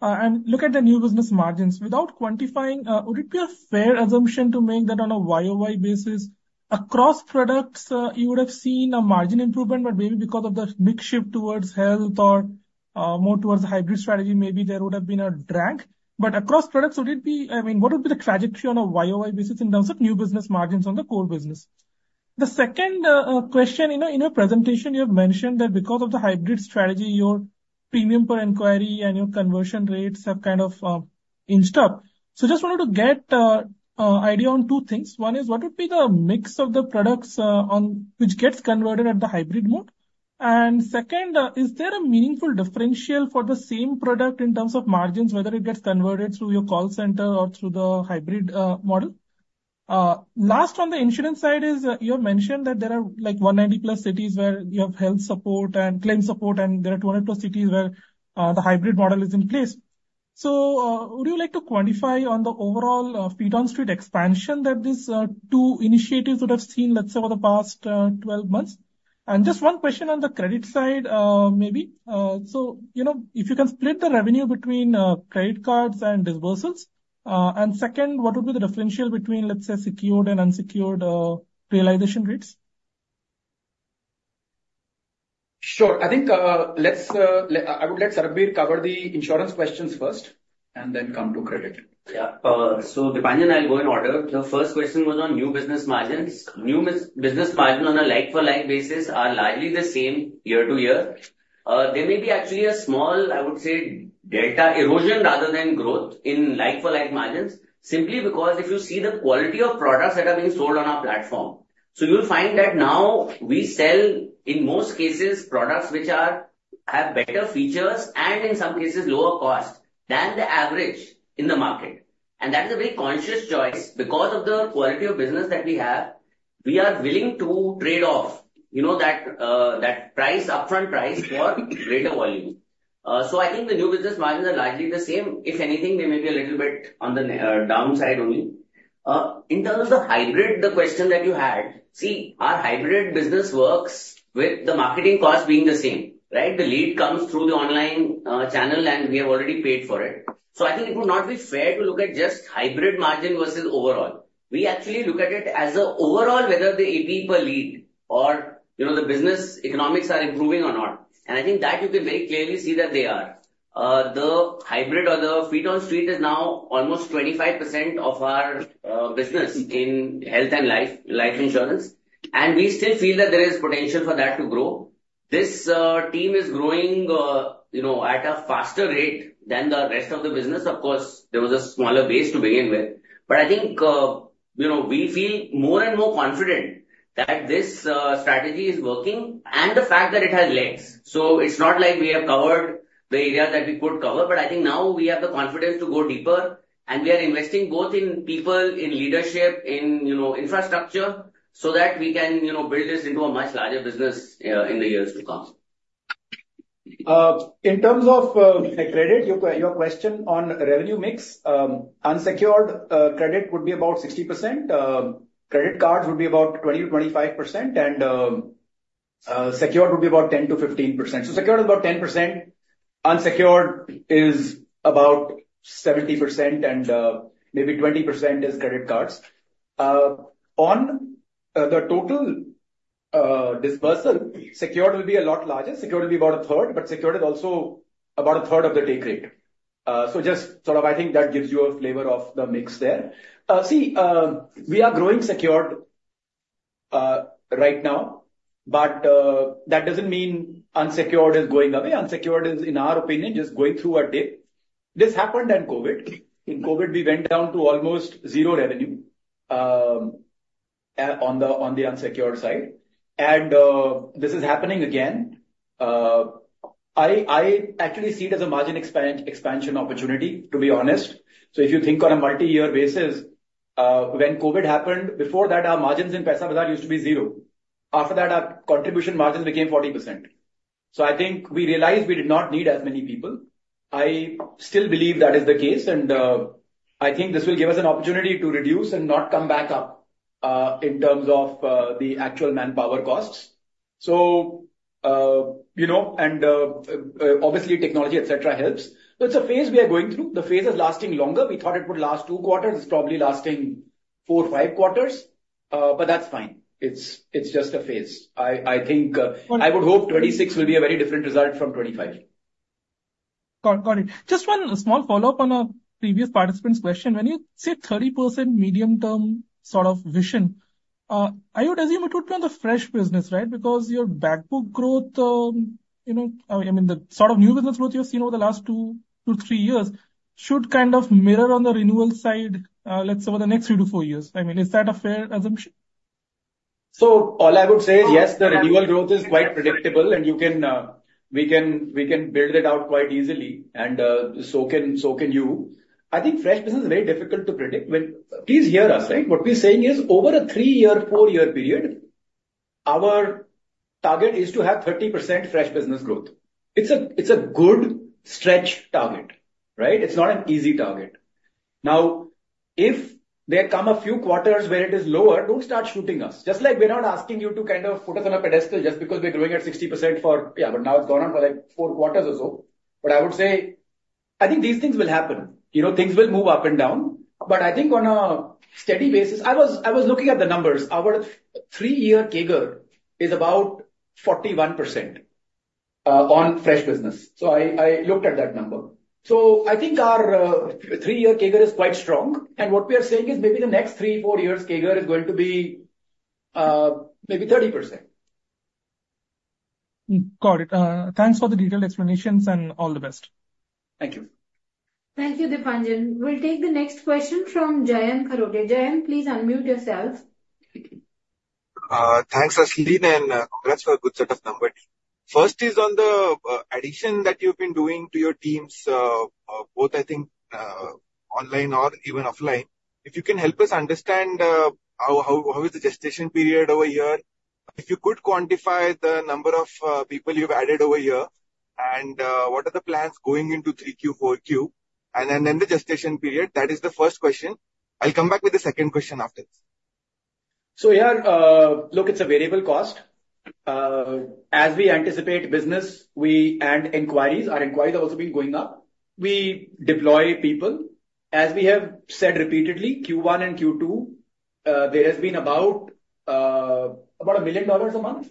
and look at the new business margins, without quantifying, would it be a fair assumption to make that on a YoY basis? Across products, you would have seen a margin improvement, but maybe because of the mix shift towards health or more towards a hybrid strategy, maybe there would have been a drag. But across products, would it be? I mean, what would be the trajectory on a YoY basis in terms of new business margins on the core business? The second question, in your presentation, you have mentioned that because of the hybrid strategy, your premium per inquiry and your conversion rates have kind of inched up. So just wanted to get an idea on two things. One is, what would be the mix of the products which gets converted at the hybrid model? And second, is there a meaningful differential for the same product in terms of margins, whether it gets converted through your call center or through the hybrid model? Last, on the insurance side, you have mentioned that there are 190-plus cities where you have health support and claim support, and there are 200-plus cities where the hybrid model is in place. So would you like to quantify on the overall feet-on-street expansion that these two initiatives would have seen, let's say, over the past 12 months? And just one question on the credit side, maybe. So if you can split the revenue between credit cards and disbursals. And second, what would be the differential between, let's say, secured and unsecured realization rates? Sure. I think I would let Sarbvir cover the insurance questions first and then come to credit. Yeah. So, Dipanjan, I'll go in order. The first question was on new business margins. New business margins on a like-for-like basis are largely the same year to year. There may be actually a small, I would say, delta erosion rather than growth in like-for-like margins, simply because if you see the quality of products that are being sold on our platform, so you'll find that now we sell, in most cases, products which have better features and, in some cases, lower cost than the average in the market. And that is a very conscious choice because of the quality of business that we have. We are willing to trade off that upfront price for greater volume. So, I think the new business margins are largely the same. If anything, they may be a little bit on the downside only. In terms of the hybrid, the question that you had, see, our hybrid business works with the marketing cost being the same, right? The lead comes through the online channel, and we have already paid for it. So I think it would not be fair to look at just hybrid margin versus overall. We actually look at it as an overall, whether the AP per lead or the business economics are improving or not. And I think that you can very clearly see that they are. The hybrid or the feet-on-street is now almost 25% of our business in health and life insurance. And we still feel that there is potential for that to grow. This team is growing at a faster rate than the rest of the business. Of course, there was a smaller base to begin with. But I think we feel more and more confident that this strategy is working and the fact that it has legs. So it's not like we have covered the area that we could cover. But I think now we have the confidence to go deeper, and we are investing both in people, in leadership, in infrastructure so that we can build this into a much larger business in the years to come. In terms of credit, your question on revenue mix, unsecured credit would be about 60%. Credit cards would be about 20%-25%, and secured would be about 10%-15%. So secured is about 10%. Unsecured is about 70%, and maybe 20% is credit cards. On the total disbursal, secured will be a lot larger. Secured will be about a third, but secured is also about a third of the take rate. So just sort of I think that gives you a flavor of the mix there. See, we are growing secured right now, but that doesn't mean unsecured is going away. Unsecured is, in our opinion, just going through a dip. This happened in COVID. In COVID, we went down to almost zero revenue on the unsecured side. And this is happening again. I actually see it as a margin expansion opportunity, to be honest. So if you think on a multi-year basis, when COVID happened, before that, our margins in Paisabazaar used to be zero. After that, our contribution margins became 40%. So I think we realized we did not need as many people. I still believe that is the case. And I think this will give us an opportunity to reduce and not come back up in terms of the actual manpower costs. And obviously, technology, etc., helps. So it's a phase we are going through. The phase is lasting longer. We thought it would last two quarters. It's probably lasting four or five quarters. But that's fine. It's just a phase. I think I would hope 2026 will be a very different result from 2025. Got it. Just one small follow-up on a previous participant's question. When you say 30% medium-term sort of vision, I would assume it would be on the fresh business, right? Because your backbook growth, I mean, the sort of new business growth you've seen over the last two to three years should kind of mirror on the renewal side, let's say, over the next three to four years. I mean, is that a fair assumption? All I would say is, yes, the renewal growth is quite predictable, and we can build it out quite easily. And so can you. I think fresh business is very difficult to predict. Please hear us, right? What we're saying is, over a three-year, four-year period, our target is to have 30% fresh business growth. It's a good stretch target, right? It's not an easy target. Now, if there come a few quarters where it is lower, don't start shooting us. Just like we're not asking you to kind of put us on a pedestal just because we're growing at 60% for, yeah, but now it's gone on for like four quarters or so. But I would say, I think these things will happen. Things will move up and down. But I think on a steady basis, I was looking at the numbers. Our three-year CAGR is about 41% on fresh business. So I looked at that number. So I think our three-year CAGR is quite strong. And what we are saying is maybe the next three, four years, CAGR is going to be maybe 30%. Got it. Thanks for the detailed explanations and all the best. Thank you. Thank you, Dipanjan. We'll take the next question from Jayant Kharote. Jayant, please unmute yourself. Thanks, Rasleen, and congrats for a good set of numbers. First is on the addition that you've been doing to your teams, both, I think, online or even offline. If you can help us understand how is the gestation period over a year, if you could quantify the number of people you've added over a year, and what are the plans going into 3Q, 4Q, and then the gestation period, that is the first question. I'll come back with the second question after this. So yeah, look, it's a variable cost. As we anticipate business and inquiries, our inquiries are also going up, we deploy people. As we have said repeatedly, Q1 and Q2, there has been about $1 million a month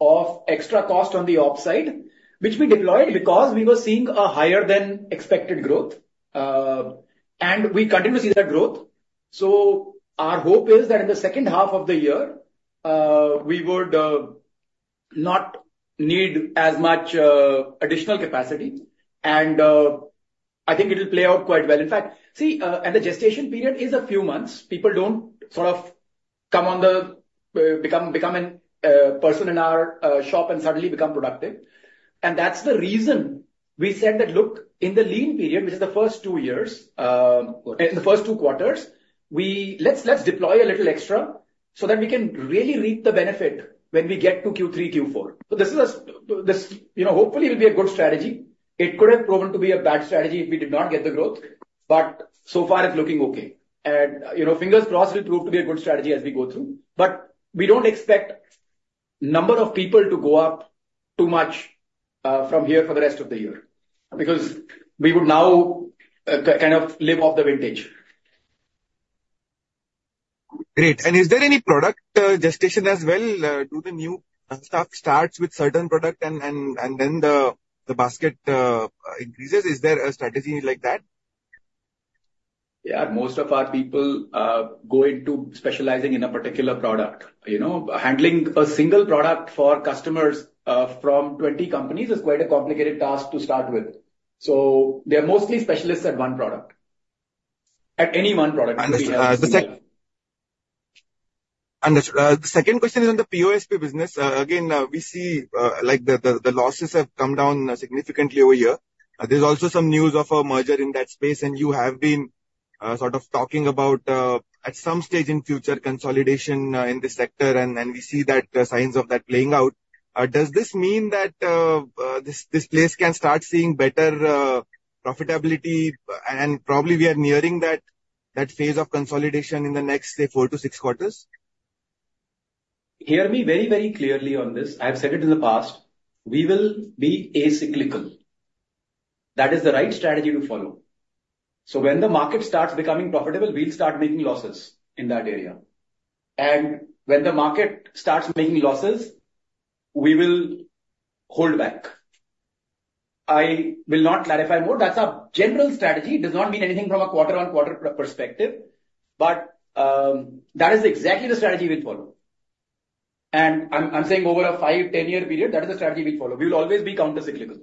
of extra cost on the ops side, which we deployed because we were seeing a higher-than-expected growth. And we continue to see that growth. So our hope is that in the second half of the year, we would not need as much additional capacity. And I think it will play out quite well. In fact, see, and the gestation period is a few months. People don't sort of come on and become a person in our shop and suddenly become productive. And that's the reason we said that, look, in the lean period, which is the first two years, in the first two quarters, let's deploy a little extra so that we can really reap the benefit when we get to Q3, Q4. So this is a hopefully will be a good strategy. It could have proven to be a bad strategy if we did not get the growth. But so far, it's looking okay. And, fingers crossed, it will prove to be a good strategy as we go through. But we don't expect the number of people to go up too much from here for the rest of the year because we would now kind of live off the vintage. Great. And is there any product gestation as well? Do the new staff start with certain product and then the basket increases? Is there a strategy like that? Yeah. Most of our people go into specializing in a particular product. Handling a single product for customers from 20 companies is quite a complicated task to start with. So they are mostly specialists at one product, at any one product. Understood. The second question is on the POSP business. Again, we see the losses have come down significantly over a year. There's also some news of a merger in that space. And you have been sort of talking about, at some stage in future, consolidation in the sector. And we see the signs of that playing out. Does this mean that this place can start seeing better profitability? And probably we are nearing that phase of consolidation in the next, say, four to six quarters. Hear me very, very clearly on this. I've said it in the past. We will be acyclical. That is the right strategy to follow. So when the market starts becoming profitable, we'll start making losses in that area. And when the market starts making losses, we will hold back. I will not clarify more. That's our general strategy. It does not mean anything from a quarter-on-quarter perspective. But that is exactly the strategy we'll follow. And I'm saying over a five, 10-year period, that is the strategy we'll follow. We will always be counter-cyclical,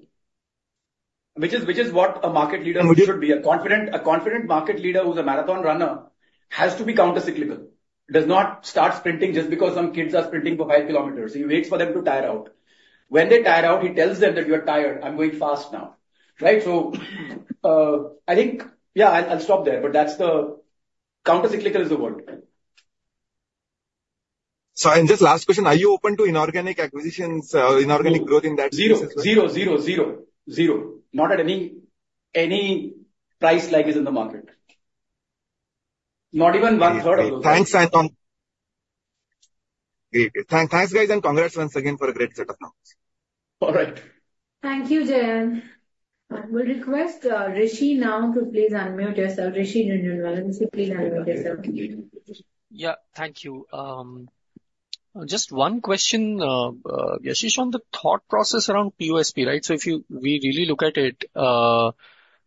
which is what a market leader should be. A confident market leader who's a marathon runner has to be counter-cyclical. Does not start sprinting just because some kids are sprinting for five kilometers. He waits for them to tire out. When they tire out, he tells them that, "You are tired. I'm going fast now." Right? So I think, yeah, I'll stop there. But that's the counter-cyclical is the word. So in this last question, are you open to inorganic acquisitions or inorganic growth in that? Zero, zero, zero, zero, zero. Not at any price like is in the market. Not even one third of those. Thanks, guys, and congrats once again for a great setup now. All right. Thank you, Jayant. We'll request Rishi now to please unmute yourself. Rishi Jhunjhunwala, please unmute yourself. Yeah, thank you. Just one question, Yashish, on the thought process around POSP, right? So if we really look at it,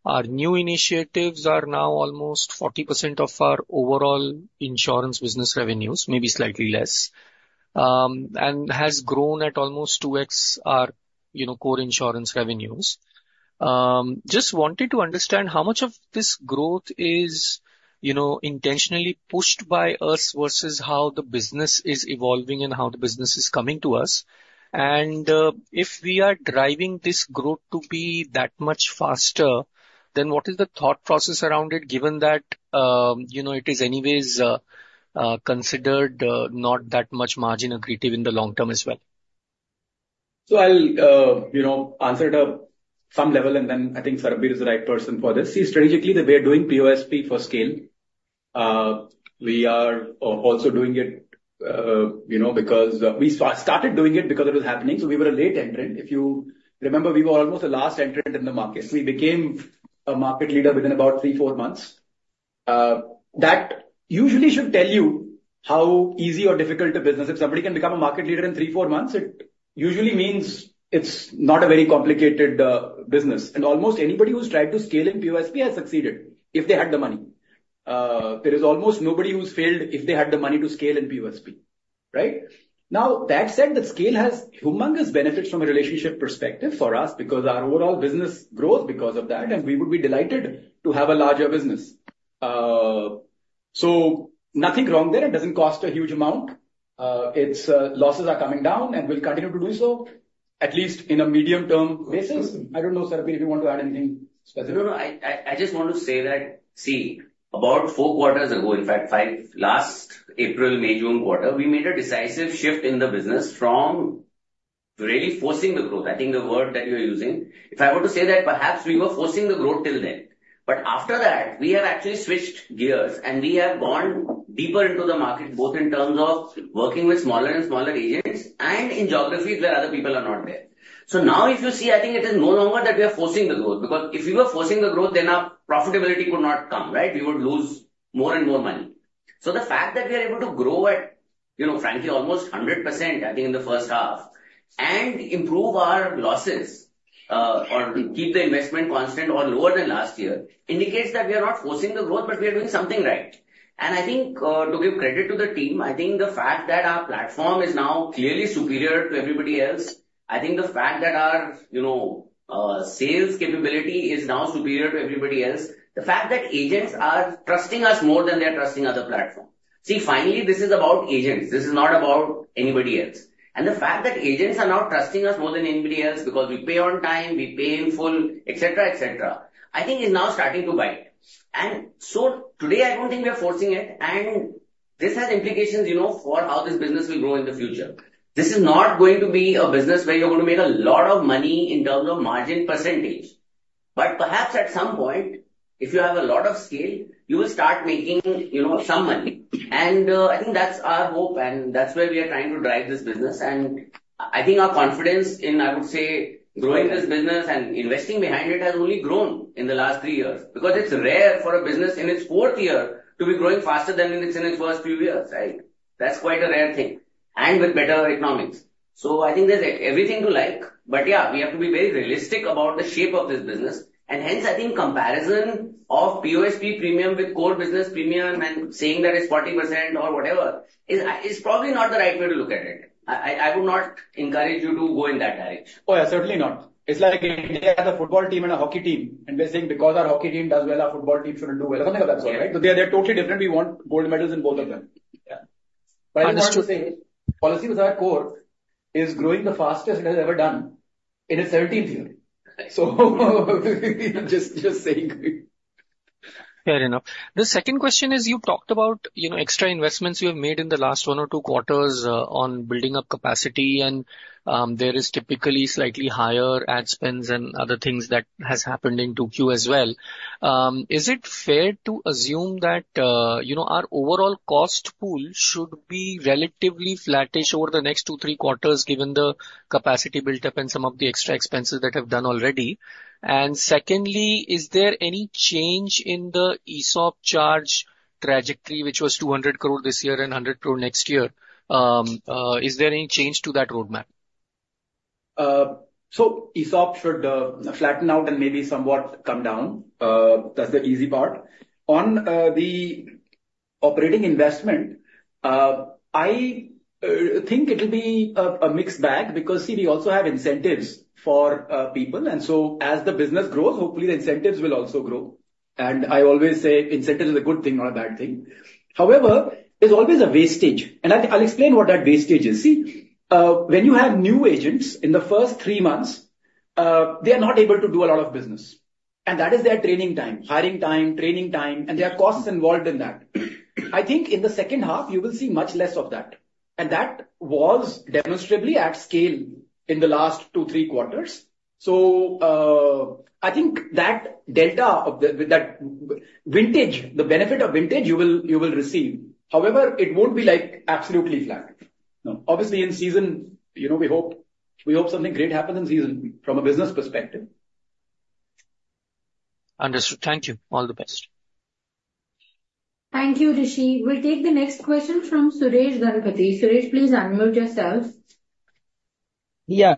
our new initiatives are now almost 40% of our overall insurance business revenues, maybe slightly less, and has grown at almost 2x our core insurance revenues. Just wanted to understand how much of this growth is intentionally pushed by us versus how the business is evolving and how the business is coming to us. And if we are driving this growth to be that much faster, then what is the thought process around it, given that it is anyways considered not that much margin accretive in the long term as well? So, I'll answer it to some level, and then I think Sarbvir is the right person for this. See, strategically, we are doing POSP for scale. We are also doing it because we started doing it because it was happening. So we were a late entrant. If you remember, we were almost the last entrant in the market. We became a market leader within about three, four months. That usually should tell you how easy or difficult a business is. If somebody can become a market leader in three, four months, it usually means it's not a very complicated business. And almost anybody who's tried to scale in POSP has succeeded if they had the money. There is almost nobody who's failed if they had the money to scale in POSP, right? Now, that said, the scale has humongous benefits from a relationship perspective for us because our overall business grows because of that, and we would be delighted to have a larger business. So nothing wrong there. It doesn't cost a huge amount. Losses are coming down, and we'll continue to do so, at least in a medium-term basis. I don't know, Sarbvir, if you want to add anything specific. No, no. I just want to say that, see, about four quarters ago, in fact, last April, May, June quarter, we made a decisive shift in the business from really forcing the growth. I think the word that you're using, if I were to say that, perhaps we were forcing the growth till then, but after that, we have actually switched gears, and we have gone deeper into the market, both in terms of working with smaller and smaller agents and in geographies where other people are not there, so now, if you see, I think it is no longer that we are forcing the growth, because if we were forcing the growth, then our profitability would not come, right? We would lose more and more money. The fact that we are able to grow at, frankly, almost 100%, I think, in the first half, and improve our losses or keep the investment constant or lower than last year indicates that we are not forcing the growth, but we are doing something right. I think to give credit to the team, I think the fact that our platform is now clearly superior to everybody else. I think the fact that our sales capability is now superior to everybody else, the fact that agents are trusting us more than they are trusting other platforms. See, finally, this is about agents. This is not about anybody else. The fact that agents are now trusting us more than anybody else because we pay on time, we pay in full, etc., etc., I think is now starting to bite. And so today, I don't think we are forcing it. And this has implications for how this business will grow in the future. This is not going to be a business where you're going to make a lot of money in terms of margin percentage. But perhaps at some point, if you have a lot of scale, you will start making some money. And I think that's our hope, and that's where we are trying to drive this business. And I think our confidence in, I would say, growing this business and investing behind it has only grown in the last three years because it's rare for a business in its fourth year to be growing faster than it's in its first few years, right? That's quite a rare thing. And with better economics. So I think there's everything to like. But yeah, we have to be very realistic about the shape of this business. And hence, I think comparison of POSP premium with core business premium and saying that it's 40% or whatever is probably not the right way to look at it. I would not encourage you to go in that direction. Oh, yeah, certainly not. It's like India has a football team and a hockey team, and they're saying because our hockey team does well, our football team shouldn't do well. I don't think that's right. They're totally different. We want gold medals in both of them, but I just want to say Policybazaar, our core, is growing the fastest it has ever done in its 17th year, so just saying. Fair enough. The second question is you talked about extra investments you have made in the last one or two quarters on building up capacity. And there is typically slightly higher ad spends and other things that have happened in 2Q as well. Is it fair to assume that our overall cost pool should be relatively flattish over the next two, three quarters, given the capacity built up and some of the extra expenses that have done already? And secondly, is there any change in the ESOP charge trajectory, which was 200 crore this year and 100 crore next year? Is there any change to that roadmap? ESOP should flatten out and maybe somewhat come down. That's the easy part. On the operating investment, I think it'll be a mixed bag because, see, we also have incentives for people. And so as the business grows, hopefully, the incentives will also grow. And I always say incentives are a good thing, not a bad thing. However, there's always a wastage. And I'll explain what that wastage is. See, when you have new agents in the first three months, they are not able to do a lot of business. And that is their training time, hiring time, training time, and there are costs involved in that. I think in the second half, you will see much less of that. And that was demonstrably at scale in the last two, three quarters. So I think that delta of that vintage, the benefit of vintage, you will receive. However, it won't be absolutely flat. Obviously, in season, we hope something great happens in season from a business perspective. Understood. Thank you. All the best. Thank you, Rishi. We'll take the next question from Suresh Ganapathy. Suresh, please unmute yourself. Yeah.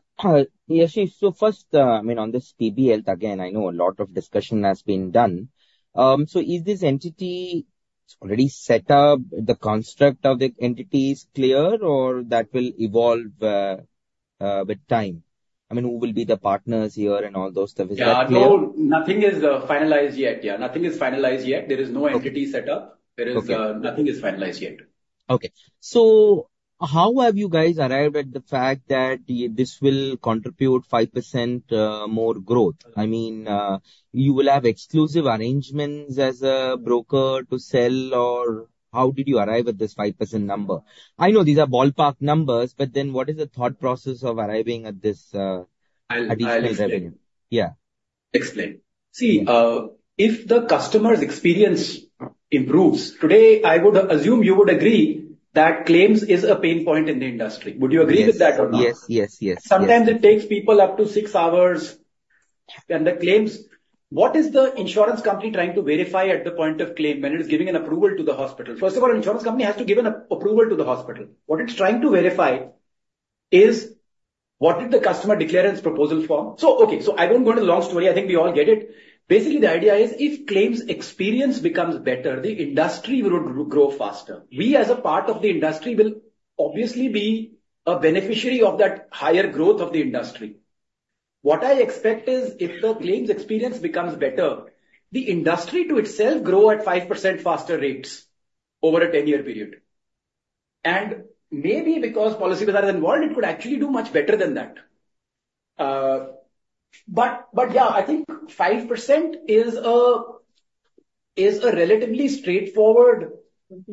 Yashish, so first, I mean, on this PB Health, again, I know a lot of discussion has been done. So is this entity already set up? The construct of the entity is clear, or that will evolve with time? I mean, who will be the partners here and all those stuff? Nothing is finalized yet, yeah. Nothing is finalized yet. There is no entity set up. Nothing is finalized yet. Okay. So how have you guys arrived at the fact that this will contribute 5% more growth? I mean, you will have exclusive arrangements as a broker to sell, or how did you arrive at this 5% number? I know these are ballpark numbers, but then what is the thought process of arriving at this revenue? Yeah. See, if the customer's experience improves, today, I would assume you would agree that claims is a pain point in the industry. Would you agree with that or not? Yes, yes, yes. Sometimes it takes people up to six hours, and the claims, what is the insurance company trying to verify at the point of claim when it is giving an approval to the hospital? First of all, an insurance company has to give an approval to the hospital. What it's trying to verify is what did the customer declare in its proposal form? Okay, so I won't go into the long story. I think we all get it. Basically, the idea is if claims experience becomes better, the industry will grow faster. We, as a part of the industry, will obviously be a beneficiary of that higher growth of the industry. What I expect is if the claims experience becomes better, the industry to itself grow at 5% faster rates over a 10-year period, and maybe because Policy was involved, it could actually do much better than that. But yeah, I think 5% is a relatively straightforward,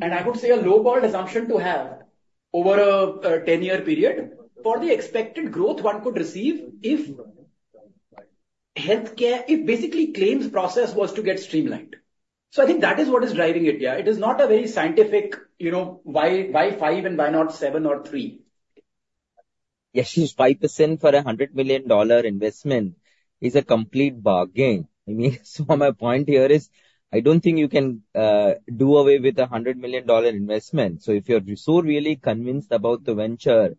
and I would say a low-balled assumption to have over a 10-year period for the expected growth one could receive if healthcare, if basically claims process was to get streamlined. So I think that is what is driving it, yeah. It is not a very scientific why 5 and why not 7 or 3. Yashish, 5% for a $100 million investment is a complete bargain. I mean, so my point here is I don't think you can do away with a $100 million investment. So if you're so really convinced about the venture,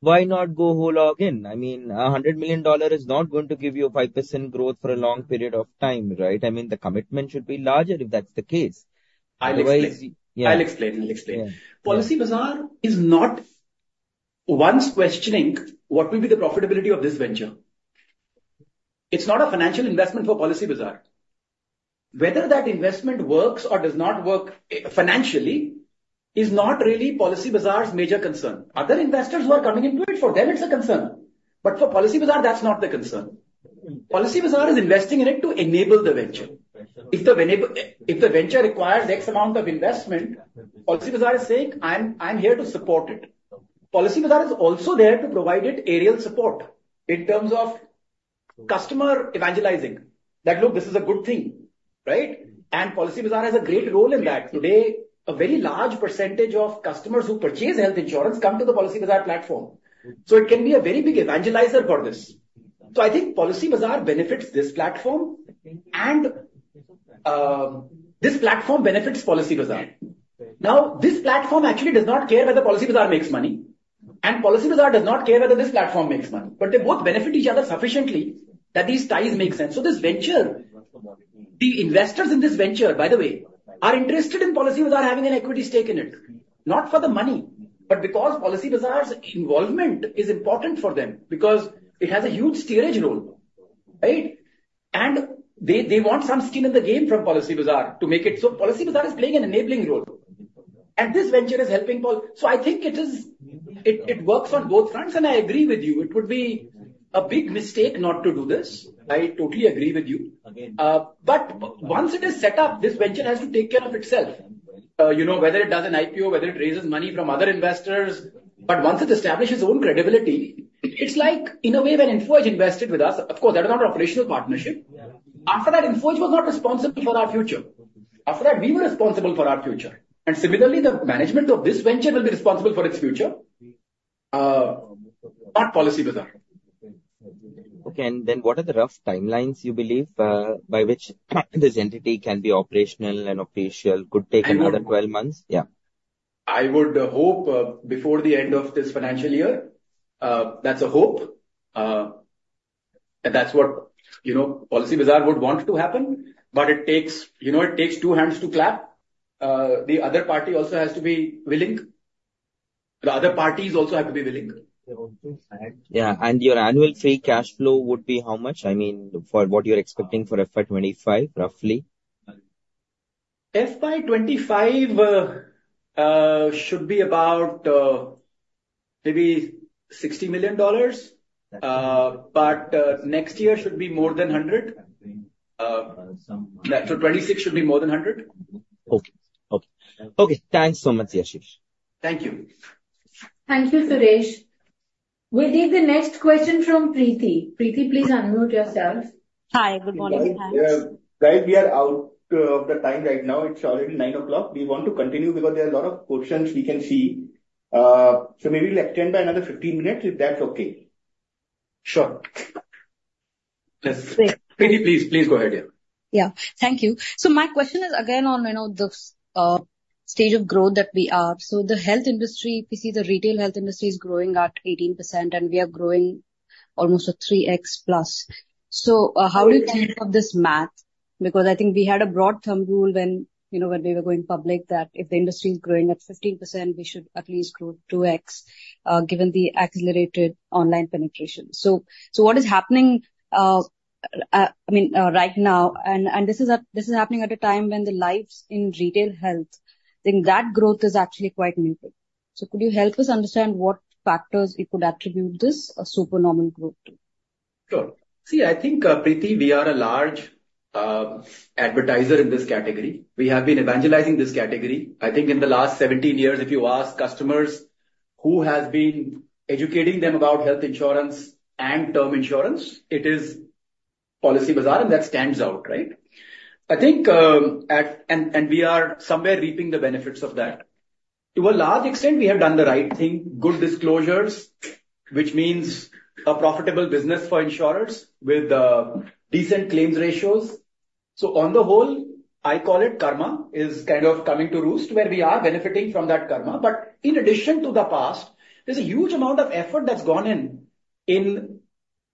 why not go whole hog in? I mean, $100 million is not going to give you 5% growth for a long period of time, right? I mean, the commitment should be larger if that's the case. I'll explain. I'll explain. Policybazaar is not once questioning what will be the profitability of this venture. It's not a financial investment for Policybazaar. Whether that investment works or does not work financially is not really Policybazaar's major concern. Other investors who are coming into it, for them, it's a concern. But for Policybazaar, that's not the concern. Policybazaar is investing in it to enable the venture. If the venture requires X amount of investment, Policybazaar is saying, "I'm here to support it." Policybazaar is also there to provide it aerial support in terms of customer evangelizing that, "Look, this is a good thing," right? And Policybazaar has a great role in that. Today, a very large percentage of customers who purchase health insurance come to the Policybazaar platform. So it can be a very big evangelizer for this. So I think Policybazaar benefits this platform, and this platform benefits Policybazaar. Now, this platform actually does not care whether Policybazaar makes money, and Policybazaar does not care whether this platform makes money. But they both benefit each other sufficiently that these ties make sense. So this venture, the investors in this venture, by the way, are interested in Policybazaar having an equity stake in it, not for the money, but because Policybazaar's involvement is important for them because it has a huge steering role, right? And they want some skin in the game from Policybazaar to make it. So Policybazaar is playing an enabling role. And this venture is helping Policy. So I think it works on both fronts, and I agree with you. It would be a big mistake not to do this. I totally agree with you. But once it is set up, this venture has to take care of itself, whether it does an IPO, whether it raises money from other investors. But once it establishes its own credibility, it's like in a way when Info Edge invested with us. Of course, that was not an operational partnership. After that, Info Edge was not responsible for our future. After that, we were responsible for our future. And similarly, the management of this venture will be responsible for its future, not Policybazaar. Okay. And then what are the rough timelines, you believe, by which this entity can be operational and official? Could take another 12 months? Yeah. I would hope before the end of this financial year. That's a hope. And that's what Policybazaar would want to happen. But it takes two hands to clap. The other party also has to be willing. The other parties also have to be willing. Yeah. And your annual free cash flow would be how much? I mean, for what you're expecting for FY25, roughly? FY25 should be about maybe $60 million. But next year should be more than 100. So 26 should be more than 100. Okay. Okay. Okay. Thanks so much, Yashish. Thank you. Thank you, Suresh. We'll take the next question from Preeti. Preeti, please unmute yourself. Hi. Good morning. Guys, we are out of the time right now. It's already 9:00 A.M. We want to continue because there are a lot of questions we can see. So maybe we'll extend by another 15 minutes if that's okay. Sure. Please, please, please go ahead. Yeah. Thank you. So my question is again on the stage of growth that we are. So the health industry, you see the retail health industry is growing at 18%, and we are growing almost a 3x plus. So how do you think of this math? Because I think we had a broad thumb rule when we were going public that if the industry is growing at 15%, we should at least grow 2x given the accelerated online penetration. So what is happening, I mean, right now, and this is happening at a time when the lives in retail health, I think that growth is actually quite muted. So could you help us understand what factors it could attribute this supernormal growth to? Sure. See, I think, Preeti, we are a large advertiser in this category. We have been evangelizing this category. I think in the last 17 years, if you ask customers who has been educating them about health insurance and term insurance, it is Policybazaar, and that stands out, right? I think, and we are somewhere reaping the benefits of that. To a large extent, we have done the right thing, good disclosures, which means a profitable business for insurers with decent claims ratios. So on the whole, I call it karma is kind of coming to roost where we are benefiting from that karma. But in addition to the past, there's a huge amount of effort that's gone in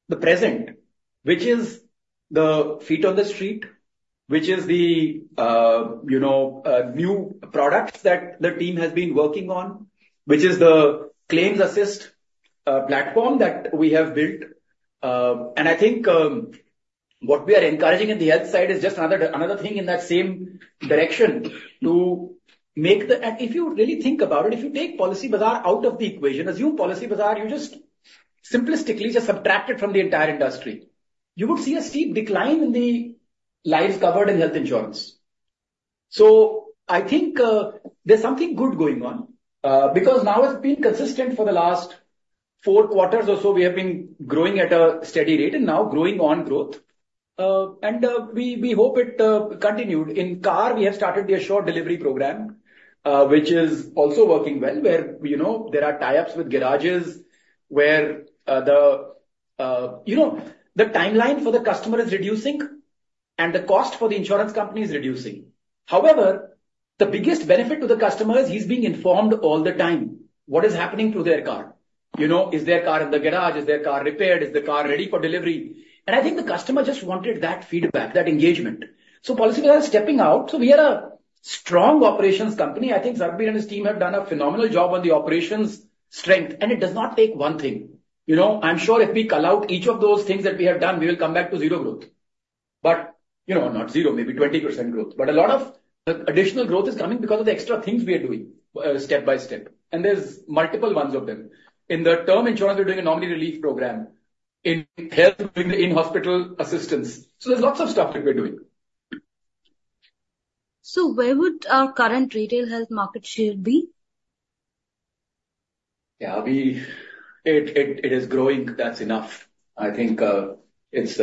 the present, which is the feet on the street, which is the new products that the team has been working on, which is the Claims Assist platform that we have built. And I think what we are encouraging in the health side is just another thing in that same direction to make the—and if you really think about it, if you take Policybazaar out of the equation, assume Policybazaar, you just simplistically just subtract it from the entire industry, you would see a steep decline in the lives covered in health insurance. So I think there's something good going on because now it's been consistent for the last four quarters or so. We have been growing at a steady rate and now growing on growth. And we hope it continued. In car, we have started the Assured Delivery program, which is also working well, where there are tie-ups with garages where the timeline for the customer is reducing and the cost for the insurance company is reducing. However, the biggest benefit to the customer is he's being informed all the time what is happening to their car. Is their car in the garage? Is their car repaired? Is the car ready for delivery? And I think the customer just wanted that feedback, that engagement. So Policybazaar is stepping out. So we are a strong operations company. I think Sarbvir and his team have done a phenomenal job on the operations strength. And it does not take one thing. I'm sure if we call out each of those things that we have done, we will come back to zero growth. But not zero, maybe 20% growth. But a lot of additional growth is coming because of the extra things we are doing step by step. And there's multiple ones of them. In the term insurance, we're doing a Nominee Relief Program in health, in hospital assistance. So there's lots of stuff that we're doing. So where would our current retail health market share be? Yeah, it is growing. That's enough. I think it's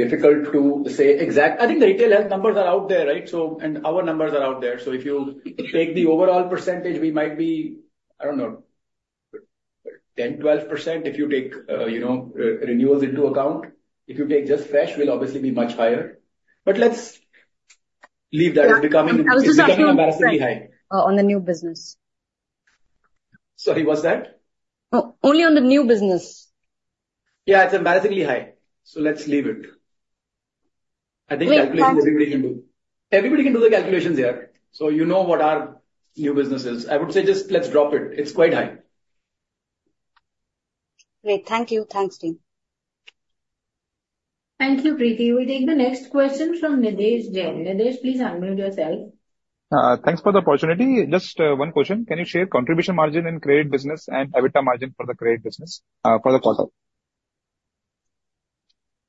difficult to say exact. I think the retail health numbers are out there, right? And our numbers are out there. So if you take the overall percentage, we might be, I don't know, 10%-12% if you take renewals into account. If you take just fresh, we'll obviously be much higher. But let's leave that. It's becoming embarrassingly high. On the new business? Sorry, what's that? Only on the new business. Yeah, it's embarrassingly high. So let's leave it. I think calculations everybody can do. Everybody can do the calculations here. So you know what our new business is. I would say just let's drop it. It's quite high. Great. Thank you. Thanks, team. Thank you, Preeti. We take the next question from Nitesh Jain. Nitesh, please unmute yourself. Thanks for the opportunity. Just one question. Can you share contribution margin in credit business and EBITDA margin for the credit business for the quarter?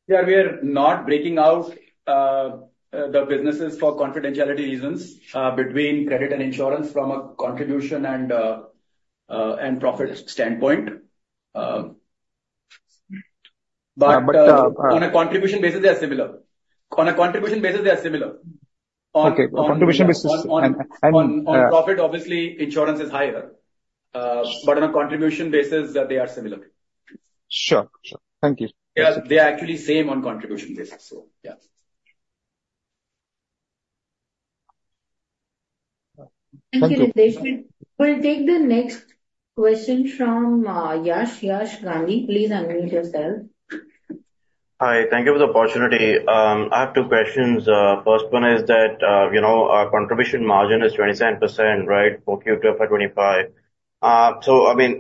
Yeah, we are not breaking out the businesses for confidentiality reasons between credit and insurance from a contribution and profit standpoint. But on a contribution basis, they are similar. Okay. On contribution basis. On profit, obviously, insurance is higher. But on a contribution basis, they are similar. Sure. Sure. Thank you. They are actually same on contribution basis. So yeah. Thank you. We'll take the next question from Yash. Yash Gandhi, please unmute yourself. Hi. Thank you for the opportunity. I have two questions. First one is that our contribution margin is 27%, right? For Q2 FY25. So I mean,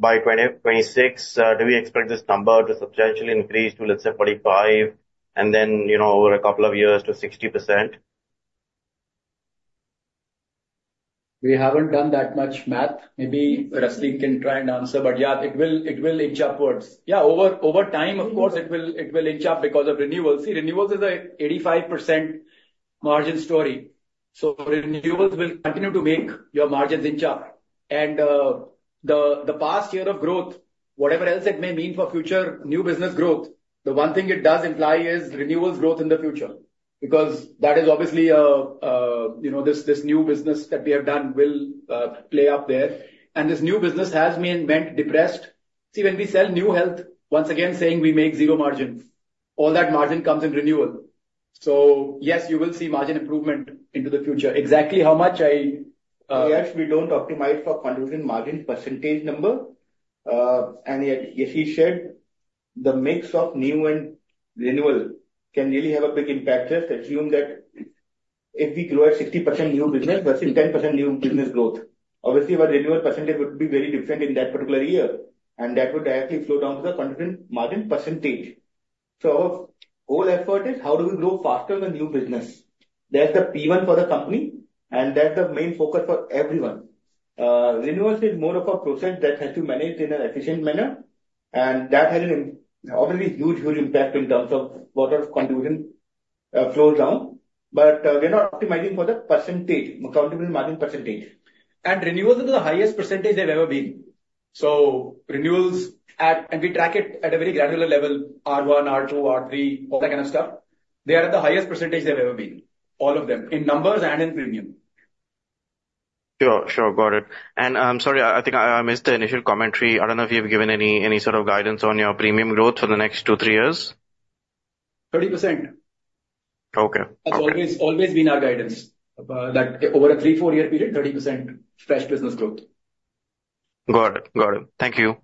by 2026, do we expect this number to substantially increase to, let's say, 45%, and then over a couple of years to 60%? We haven't done that much math. Maybe Rasleen can try and answer. But yeah, it will inch upwards. Yeah, over time, of course, it will inch up because of renewals. See, renewals is an 85% margin story. So renewals will continue to make your margins inch up. And the past year of growth, whatever else it may mean for future new business growth, the one thing it does imply is renewals growth in the future because that is obviously this new business that we have done will play up there. And this new business has been margin depressed. See, when we sell new health, once again saying we make zero margin, all that margin comes in renewal. So yes, you will see margin improvement into the future. Exactly how much I—Yash, we don't optimize for contribution margin percentage number. Yashish said the mix of new and renewal can really have a big impact. Just assume that if we grow at 60% new business versus 10% new business growth, obviously our renewal percentage would be very different in that particular year. That would directly flow down to the contribution margin percentage. Our whole effort is how do we grow faster than new business? That's the P1 for the company, and that's the main focus for everyone. Renewals is more of a process that has to be managed in an efficient manner. That has an obviously huge, huge impact in terms of what our contribution flows down. We're not optimizing for the percentage, contribution margin percentage. Renewals are the highest percentage they've ever been. Renewals, and we track it at a very granular level, R1, R2, R3, all that kind of stuff. They are at the highest percentage they've ever been, all of them, in numbers and in premium. Sure. Sure. Got it. And I'm sorry, I think I missed the initial commentary. I don't know if you've given any sort of guidance on your premium growth for the next two, three years. 30%. Okay. That's always been our guidance that over a three- or four-year period, 30% fresh business growth. Got it. Got it. Thank you.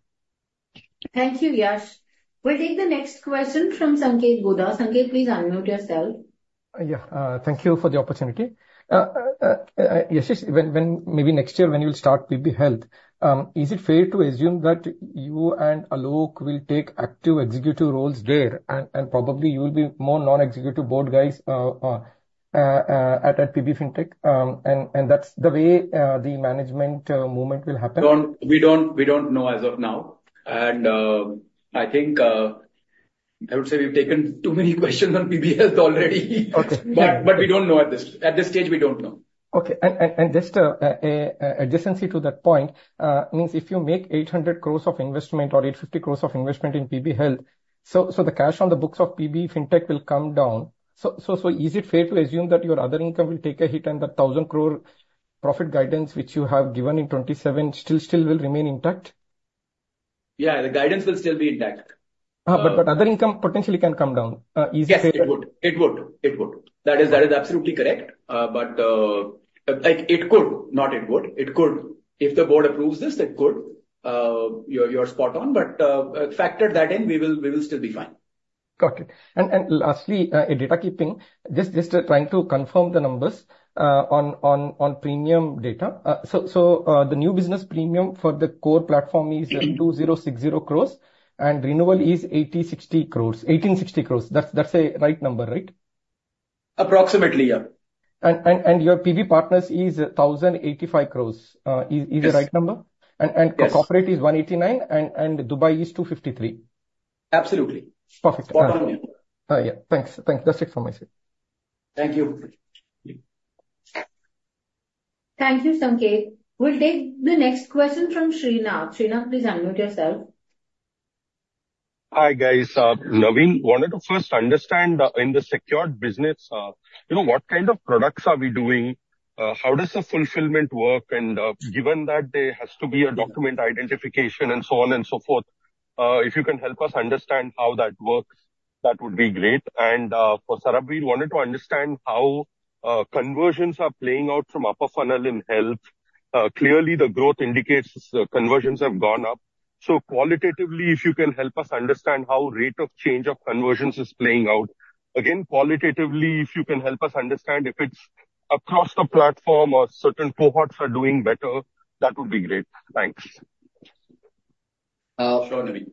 Thank you, Yash. We'll take the next question from Sanketh Godha. Sanketh, please unmute yourself. Yeah. Thank you for the opportunity. Yashish, maybe next year when you will start PB Health, is it fair to assume that you and Alok will take active executive roles there, and probably you will be more non-executive board guys at PB Fintech, and that's the way the management movement will happen? We don't know as of now. And I think I would say we've taken too many questions on PB Health already. But we don't know at this stage. We don't know. Okay. And just an adjacency to that point means if you make 800 crores of investment or 850 crores of investment in PB Health, so the cash on the books of PB Fintech will come down. So is it fair to assume that your other income will take a hit and the 1,000 crore profit guidance, which you have given in 2027, still will remain intact? Yeah, the guidance will still be intact. But other income potentially can come down. Yes, it would. That is absolutely correct. But it could. Not it would. It could. If the board approves this, it could. You're spot on. But factor that in. We will still be fine. Got it. And lastly, data keeping, just trying to confirm the numbers on premium data. So the new business premium for the core platform is 2,060 crores, and renewal is 1,860 crores. That's a right number, right? Approximately, yeah. Your PBPartners is 1,085 crores. Is it a right number? And corporate is 189, and Dubai is 253. Absolutely. Perfect. Yeah. Thanks. Thanks. That's it from my side. Thank you. Thank you, Sanketh. We'll take the next question from Srinath. Srinath, please unmute yourself. Hi guys. Naveen wanted to first understand in the secured business, what kind of products are we doing? How does the fulfillment work? And given that there has to be a document identification and so on and so forth, if you can help us understand how that works, that would be great. And for Sarbvir, we wanted to understand how conversions are playing out from upper funnel in health. Clearly, the growth indicates conversions have gone up. So qualitatively, if you can help us understand how rate of change of conversions is playing out. Again, qualitatively, if you can help us understand if it's across the platform or certain cohorts are doing better, that would be great. Thanks. Sure, Naveen.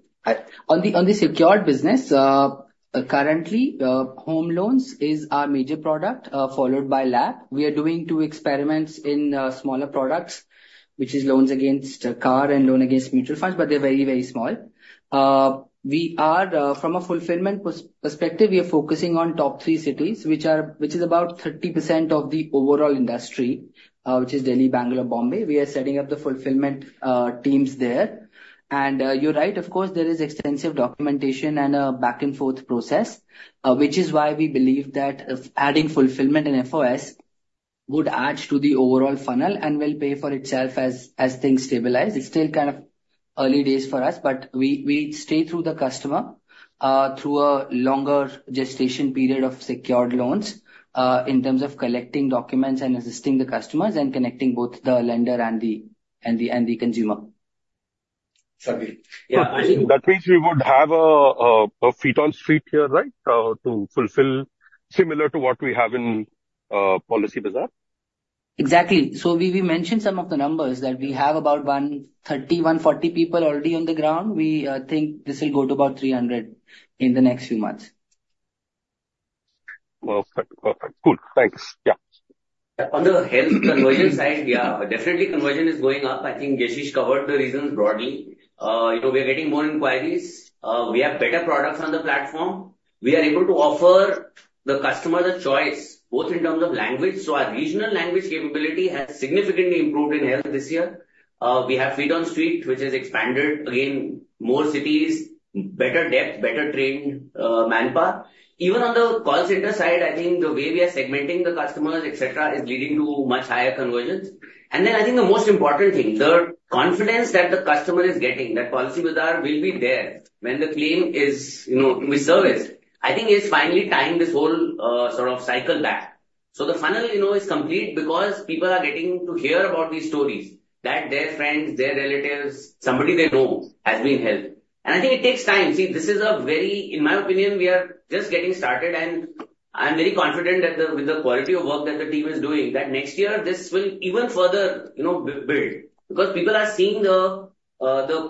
On the secured business, currently, home loans is our major product, followed by LAP. We are doing two experiments in smaller products, which is loans against car and loan against mutual funds, but they're very, very small. From a fulfillment perspective, we are focusing on top three cities, which is about 30% of the overall industry, which is Delhi, Bangalore, Bombay. We are setting up the fulfillment teams there. And you're right, of course, there is extensive documentation and a back-and-forth process, which is why we believe that adding fulfillment and FOS would add to the overall funnel and will pay for itself as things stabilize. It's still kind of early days for us, but we stay with the customer through a longer gestation period of secured loans in terms of collecting documents and assisting the customers and connecting both the lender and the consumer. That means we would have a feet on street here, right, to fulfill similar to what we have in Policybazaar? Exactly. So we mentioned some of the numbers that we have about 130, 140 people already on the ground. We think this will go to about 300 in the next few months. Perfect. Perfect. Cool. Thanks. Yeah. On the health conversion side, yeah, definitely conversion is going up. I think Yashish covered the reasons broadly. We are getting more inquiries. We have better products on the platform. We are able to offer the customer the choice, both in terms of language. So our regional language capability has significantly improved in health this year. We have feet on street, which has expanded again, more cities, better depth, better trained manpower. Even on the call center side, I think the way we are segmenting the customers, etc., is leading to much higher conversions. And then I think the most important thing, the confidence that the customer is getting that Policybazaar will be there when the claim is, we service, I think is finally tying this whole sort of cycle back. So the funnel is complete because people are getting to hear about these stories that their friends, their relatives, somebody they know has been helped. And I think it takes time. See, this is a very, in my opinion, we are just getting started. And I'm very confident that with the quality of work that the team is doing, that next year this will even further build because people are seeing the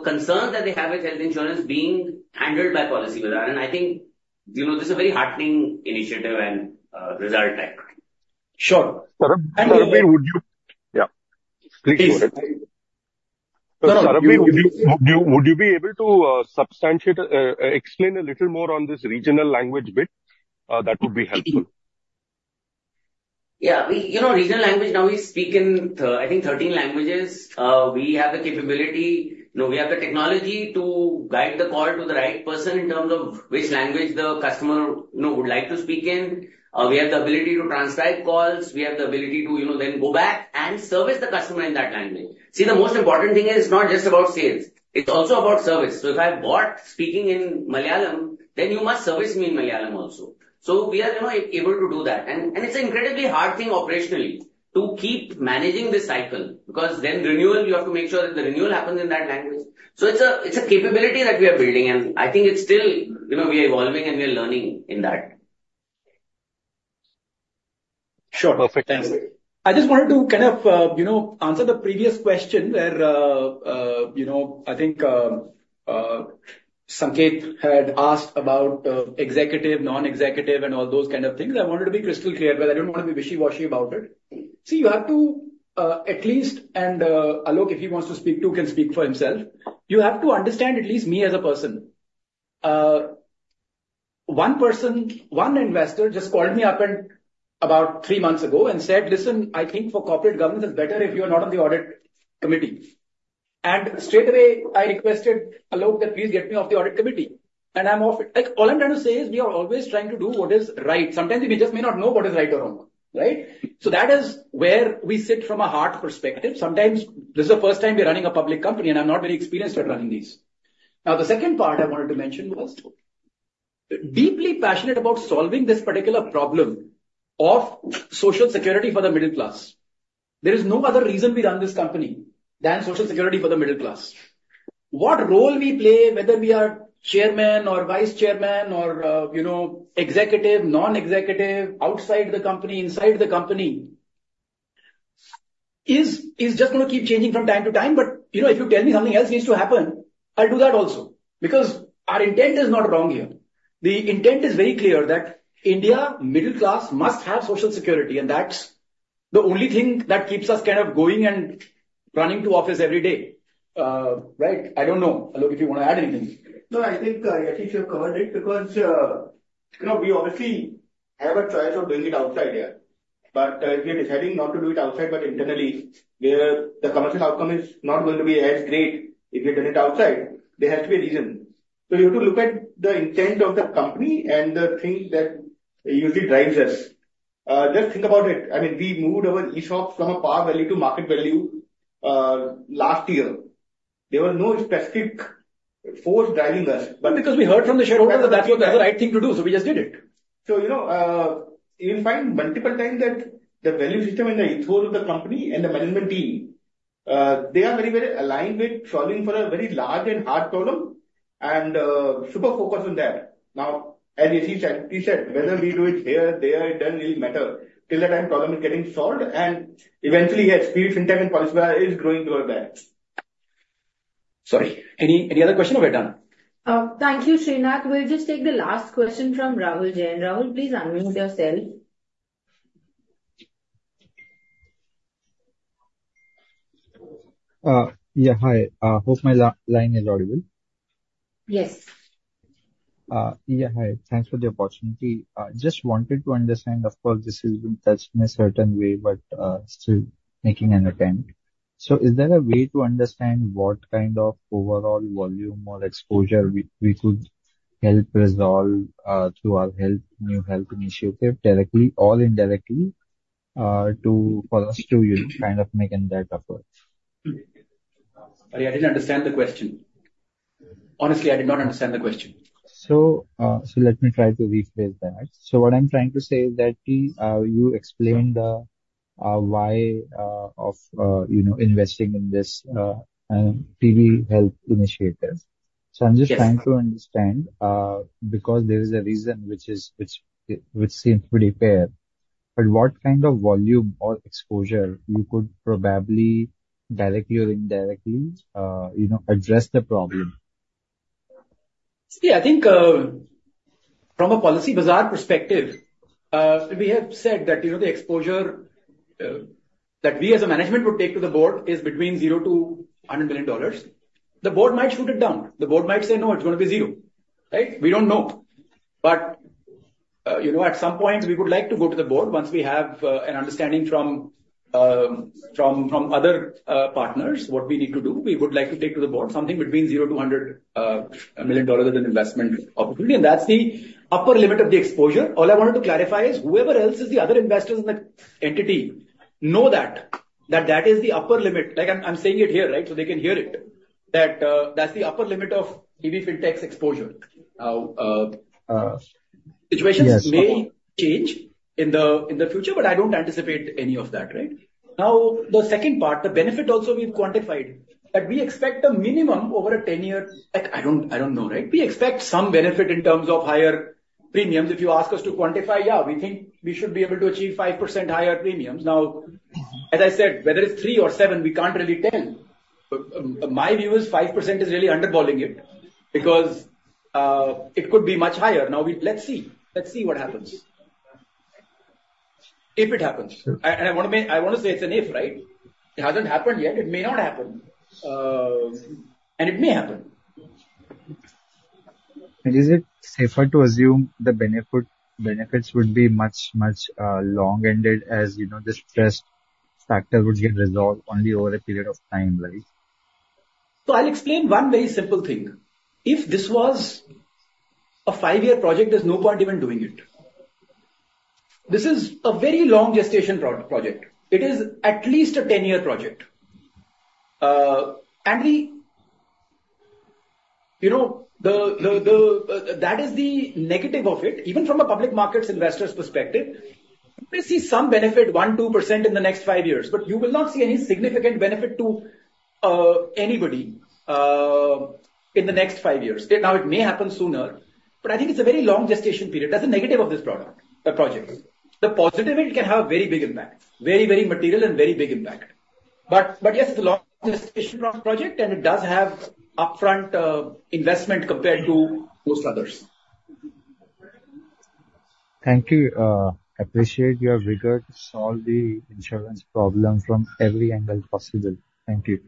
concerns that they have with health insurance being handled by Policybazaar. And I think this is a very heartening initiative and result. Sure. Sarbvir, would you? Yeah. Please go ahead. Sarbvir, would you be able to explain a little more on this regional language bit? That would be helpful. Yeah. Regional language, now we speak in, I think, 13 languages. We have the capability. We have the technology to guide the call to the right person in terms of which language the customer would like to speak in. We have the ability to transcribe calls. We have the ability to then go back and service the customer in that language. See, the most important thing is not just about sales. It's also about service. So if I bought speaking in Malayalam, then you must service me in Malayalam also. So we are able to do that. And it's an incredibly hard thing operationally to keep managing this cycle because then renewal, you have to make sure that the renewal happens in that language. So it's a capability that we are building. And I think it's still we are evolving and we are learning in that. Sure. Perfect. I just wanted to kind of answer the previous question where I think Sanketh had asked about executive, non-executive, and all those kind of things. I wanted to be crystal clear, but I don't want to be wishy-washy about it. See, you have to at least, and Alok, if he wants to speak too, can speak for himself. You have to understand at least me as a person. One investor just called me up about three months ago and said, "Listen, I think for corporate governance, it's better if you are not on the audit committee." And straight away, I requested Alok that, "Please get me off the audit committee." And I'm off it. All I'm trying to say is we are always trying to do what is right. Sometimes we just may not know what is right or wrong, right? So that is where we sit from a heart perspective. Sometimes this is the first time we're running a public company, and I'm not very experienced at running these. Now, the second part I wanted to mention was deeply passionate about solving this particular problem of social security for the middle class. There is no other reason we run this company than social security for the middle class. What role we play, whether we are chairman or vice chairman or executive, non-executive, outside the company, inside the company, is just going to keep changing from time to time. But if you tell me something else needs to happen, I'll do that also because our intent is not wrong here. The intent is very clear that India middle class must have social security. And that's the only thing that keeps us kind of going and running to office every day, right? I don't know, Alok, if you want to add anything. No, I think you have covered it because we obviously have a choice of doing it outside here. But if you're deciding not to do it outside, but internally, the commercial outcome is not going to be as great if you're doing it outside. There has to be a reason. So you have to look at the intent of the company and the thing that usually drives us. Just think about it. I mean, we moved our ESOPs from a par value to market value last year. There were no specific forces driving us. But because we heard from the shareholder that that was the right thing to do, so we just did it. So you'll find multiple times that the value system in the ESOP of the company and the management team, they are very, very aligned with solving for a very large and hard problem and super focused on that. Now, as Yashish said, whether we do it here, there, it doesn't really matter. Till that time, the problem is getting solved. And eventually, yes, PB Fintech and Policybazaar is growing towards that. Sorry. Any other question, or we're done? Thank you, Srinath. We'll just take the last question from Rahul Jain. Rahul, please unmute yourself. Yeah, hi. I hope my line is audible. Yes. Yeah, hi. Thanks for the opportunity. Just wanted to understand, of course, this is in a certain way, but still making an attempt. So is there a way to understand what kind of overall volume or exposure we could help resolve through our new health initiative directly, or indirectly, for us to kind of make that effort? I didn't understand the question. Honestly, I did not understand the question. So let me try to rephrase that. So what I'm trying to say is that you explained the why of investing in this PB Health initiative. So I'm just trying to understand because there is a reason which seems pretty fair. But what kind of volume or exposure you could probably directly or indirectly address the problem? See, I think from a Policybazaar perspective, we have said that the exposure that we as a management would take to the board is between $0-$100 million. The board might shoot it down. The board might say, "No, it's going to be zero," right? We don't know. But at some point, we would like to go to the board once we have an understanding from other partners what we need to do. We would like to take to the board something between $0-$100 million as an investment opportunity, and that's the upper limit of the exposure. All I wanted to clarify is whoever else is the other investors in the entity know that that is the upper limit. I'm saying it here, right, so they can hear it. That's the upper limit of PB Fintech's exposure. Situations may change in the future, but I don't anticipate any of that, right? Now, the second part, the benefit also we've quantified that we expect a minimum over a 10-year. I don't know, right? We expect some benefit in terms of higher premiums. If you ask us to quantify, yeah, we think we should be able to achieve 5% higher premiums. Now, as I said, whether it's 3% or 7%, we can't really tell. My view is 5% is really underbowling it because it could be much higher. Now, let's see. Let's see what happens. If it happens, and I want to say it's an if, right? It hasn't happened yet. It may not happen, and it may happen. Is it safer to assume the benefits would be much, much long-ended as this stress factor would get resolved only over a period of time, right? So I'll explain one very simple thing. If this was a five-year project, there's no point even doing it. This is a very long gestation project. It is at least a 10-year project. And that is the negative of it. Even from a public markets investor's perspective, you may see some benefit, 1%, 2% in the next five years, but you will not see any significant benefit to anybody in the next five years. Now, it may happen sooner, but I think it's a very long gestation period. That's the negative of this project. The positive, it can have a very big impact, very, very material and very big impact. But yes, it's a long gestation project, and it does have upfront investment compared to most others. Thank you. Appreciate your rigor to solve the insurance problem from every angle possible. Thank you.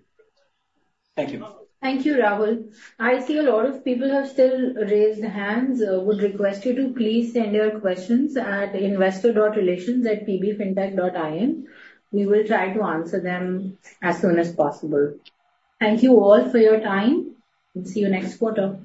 Thank you. Thank you, Rahul. I see a lot of people have still raised hands. I would request you to please send your questions at investor.relations@pbfintech.in. We will try to answer them as soon as possible. Thank you all for your time. We'll see you next quarter.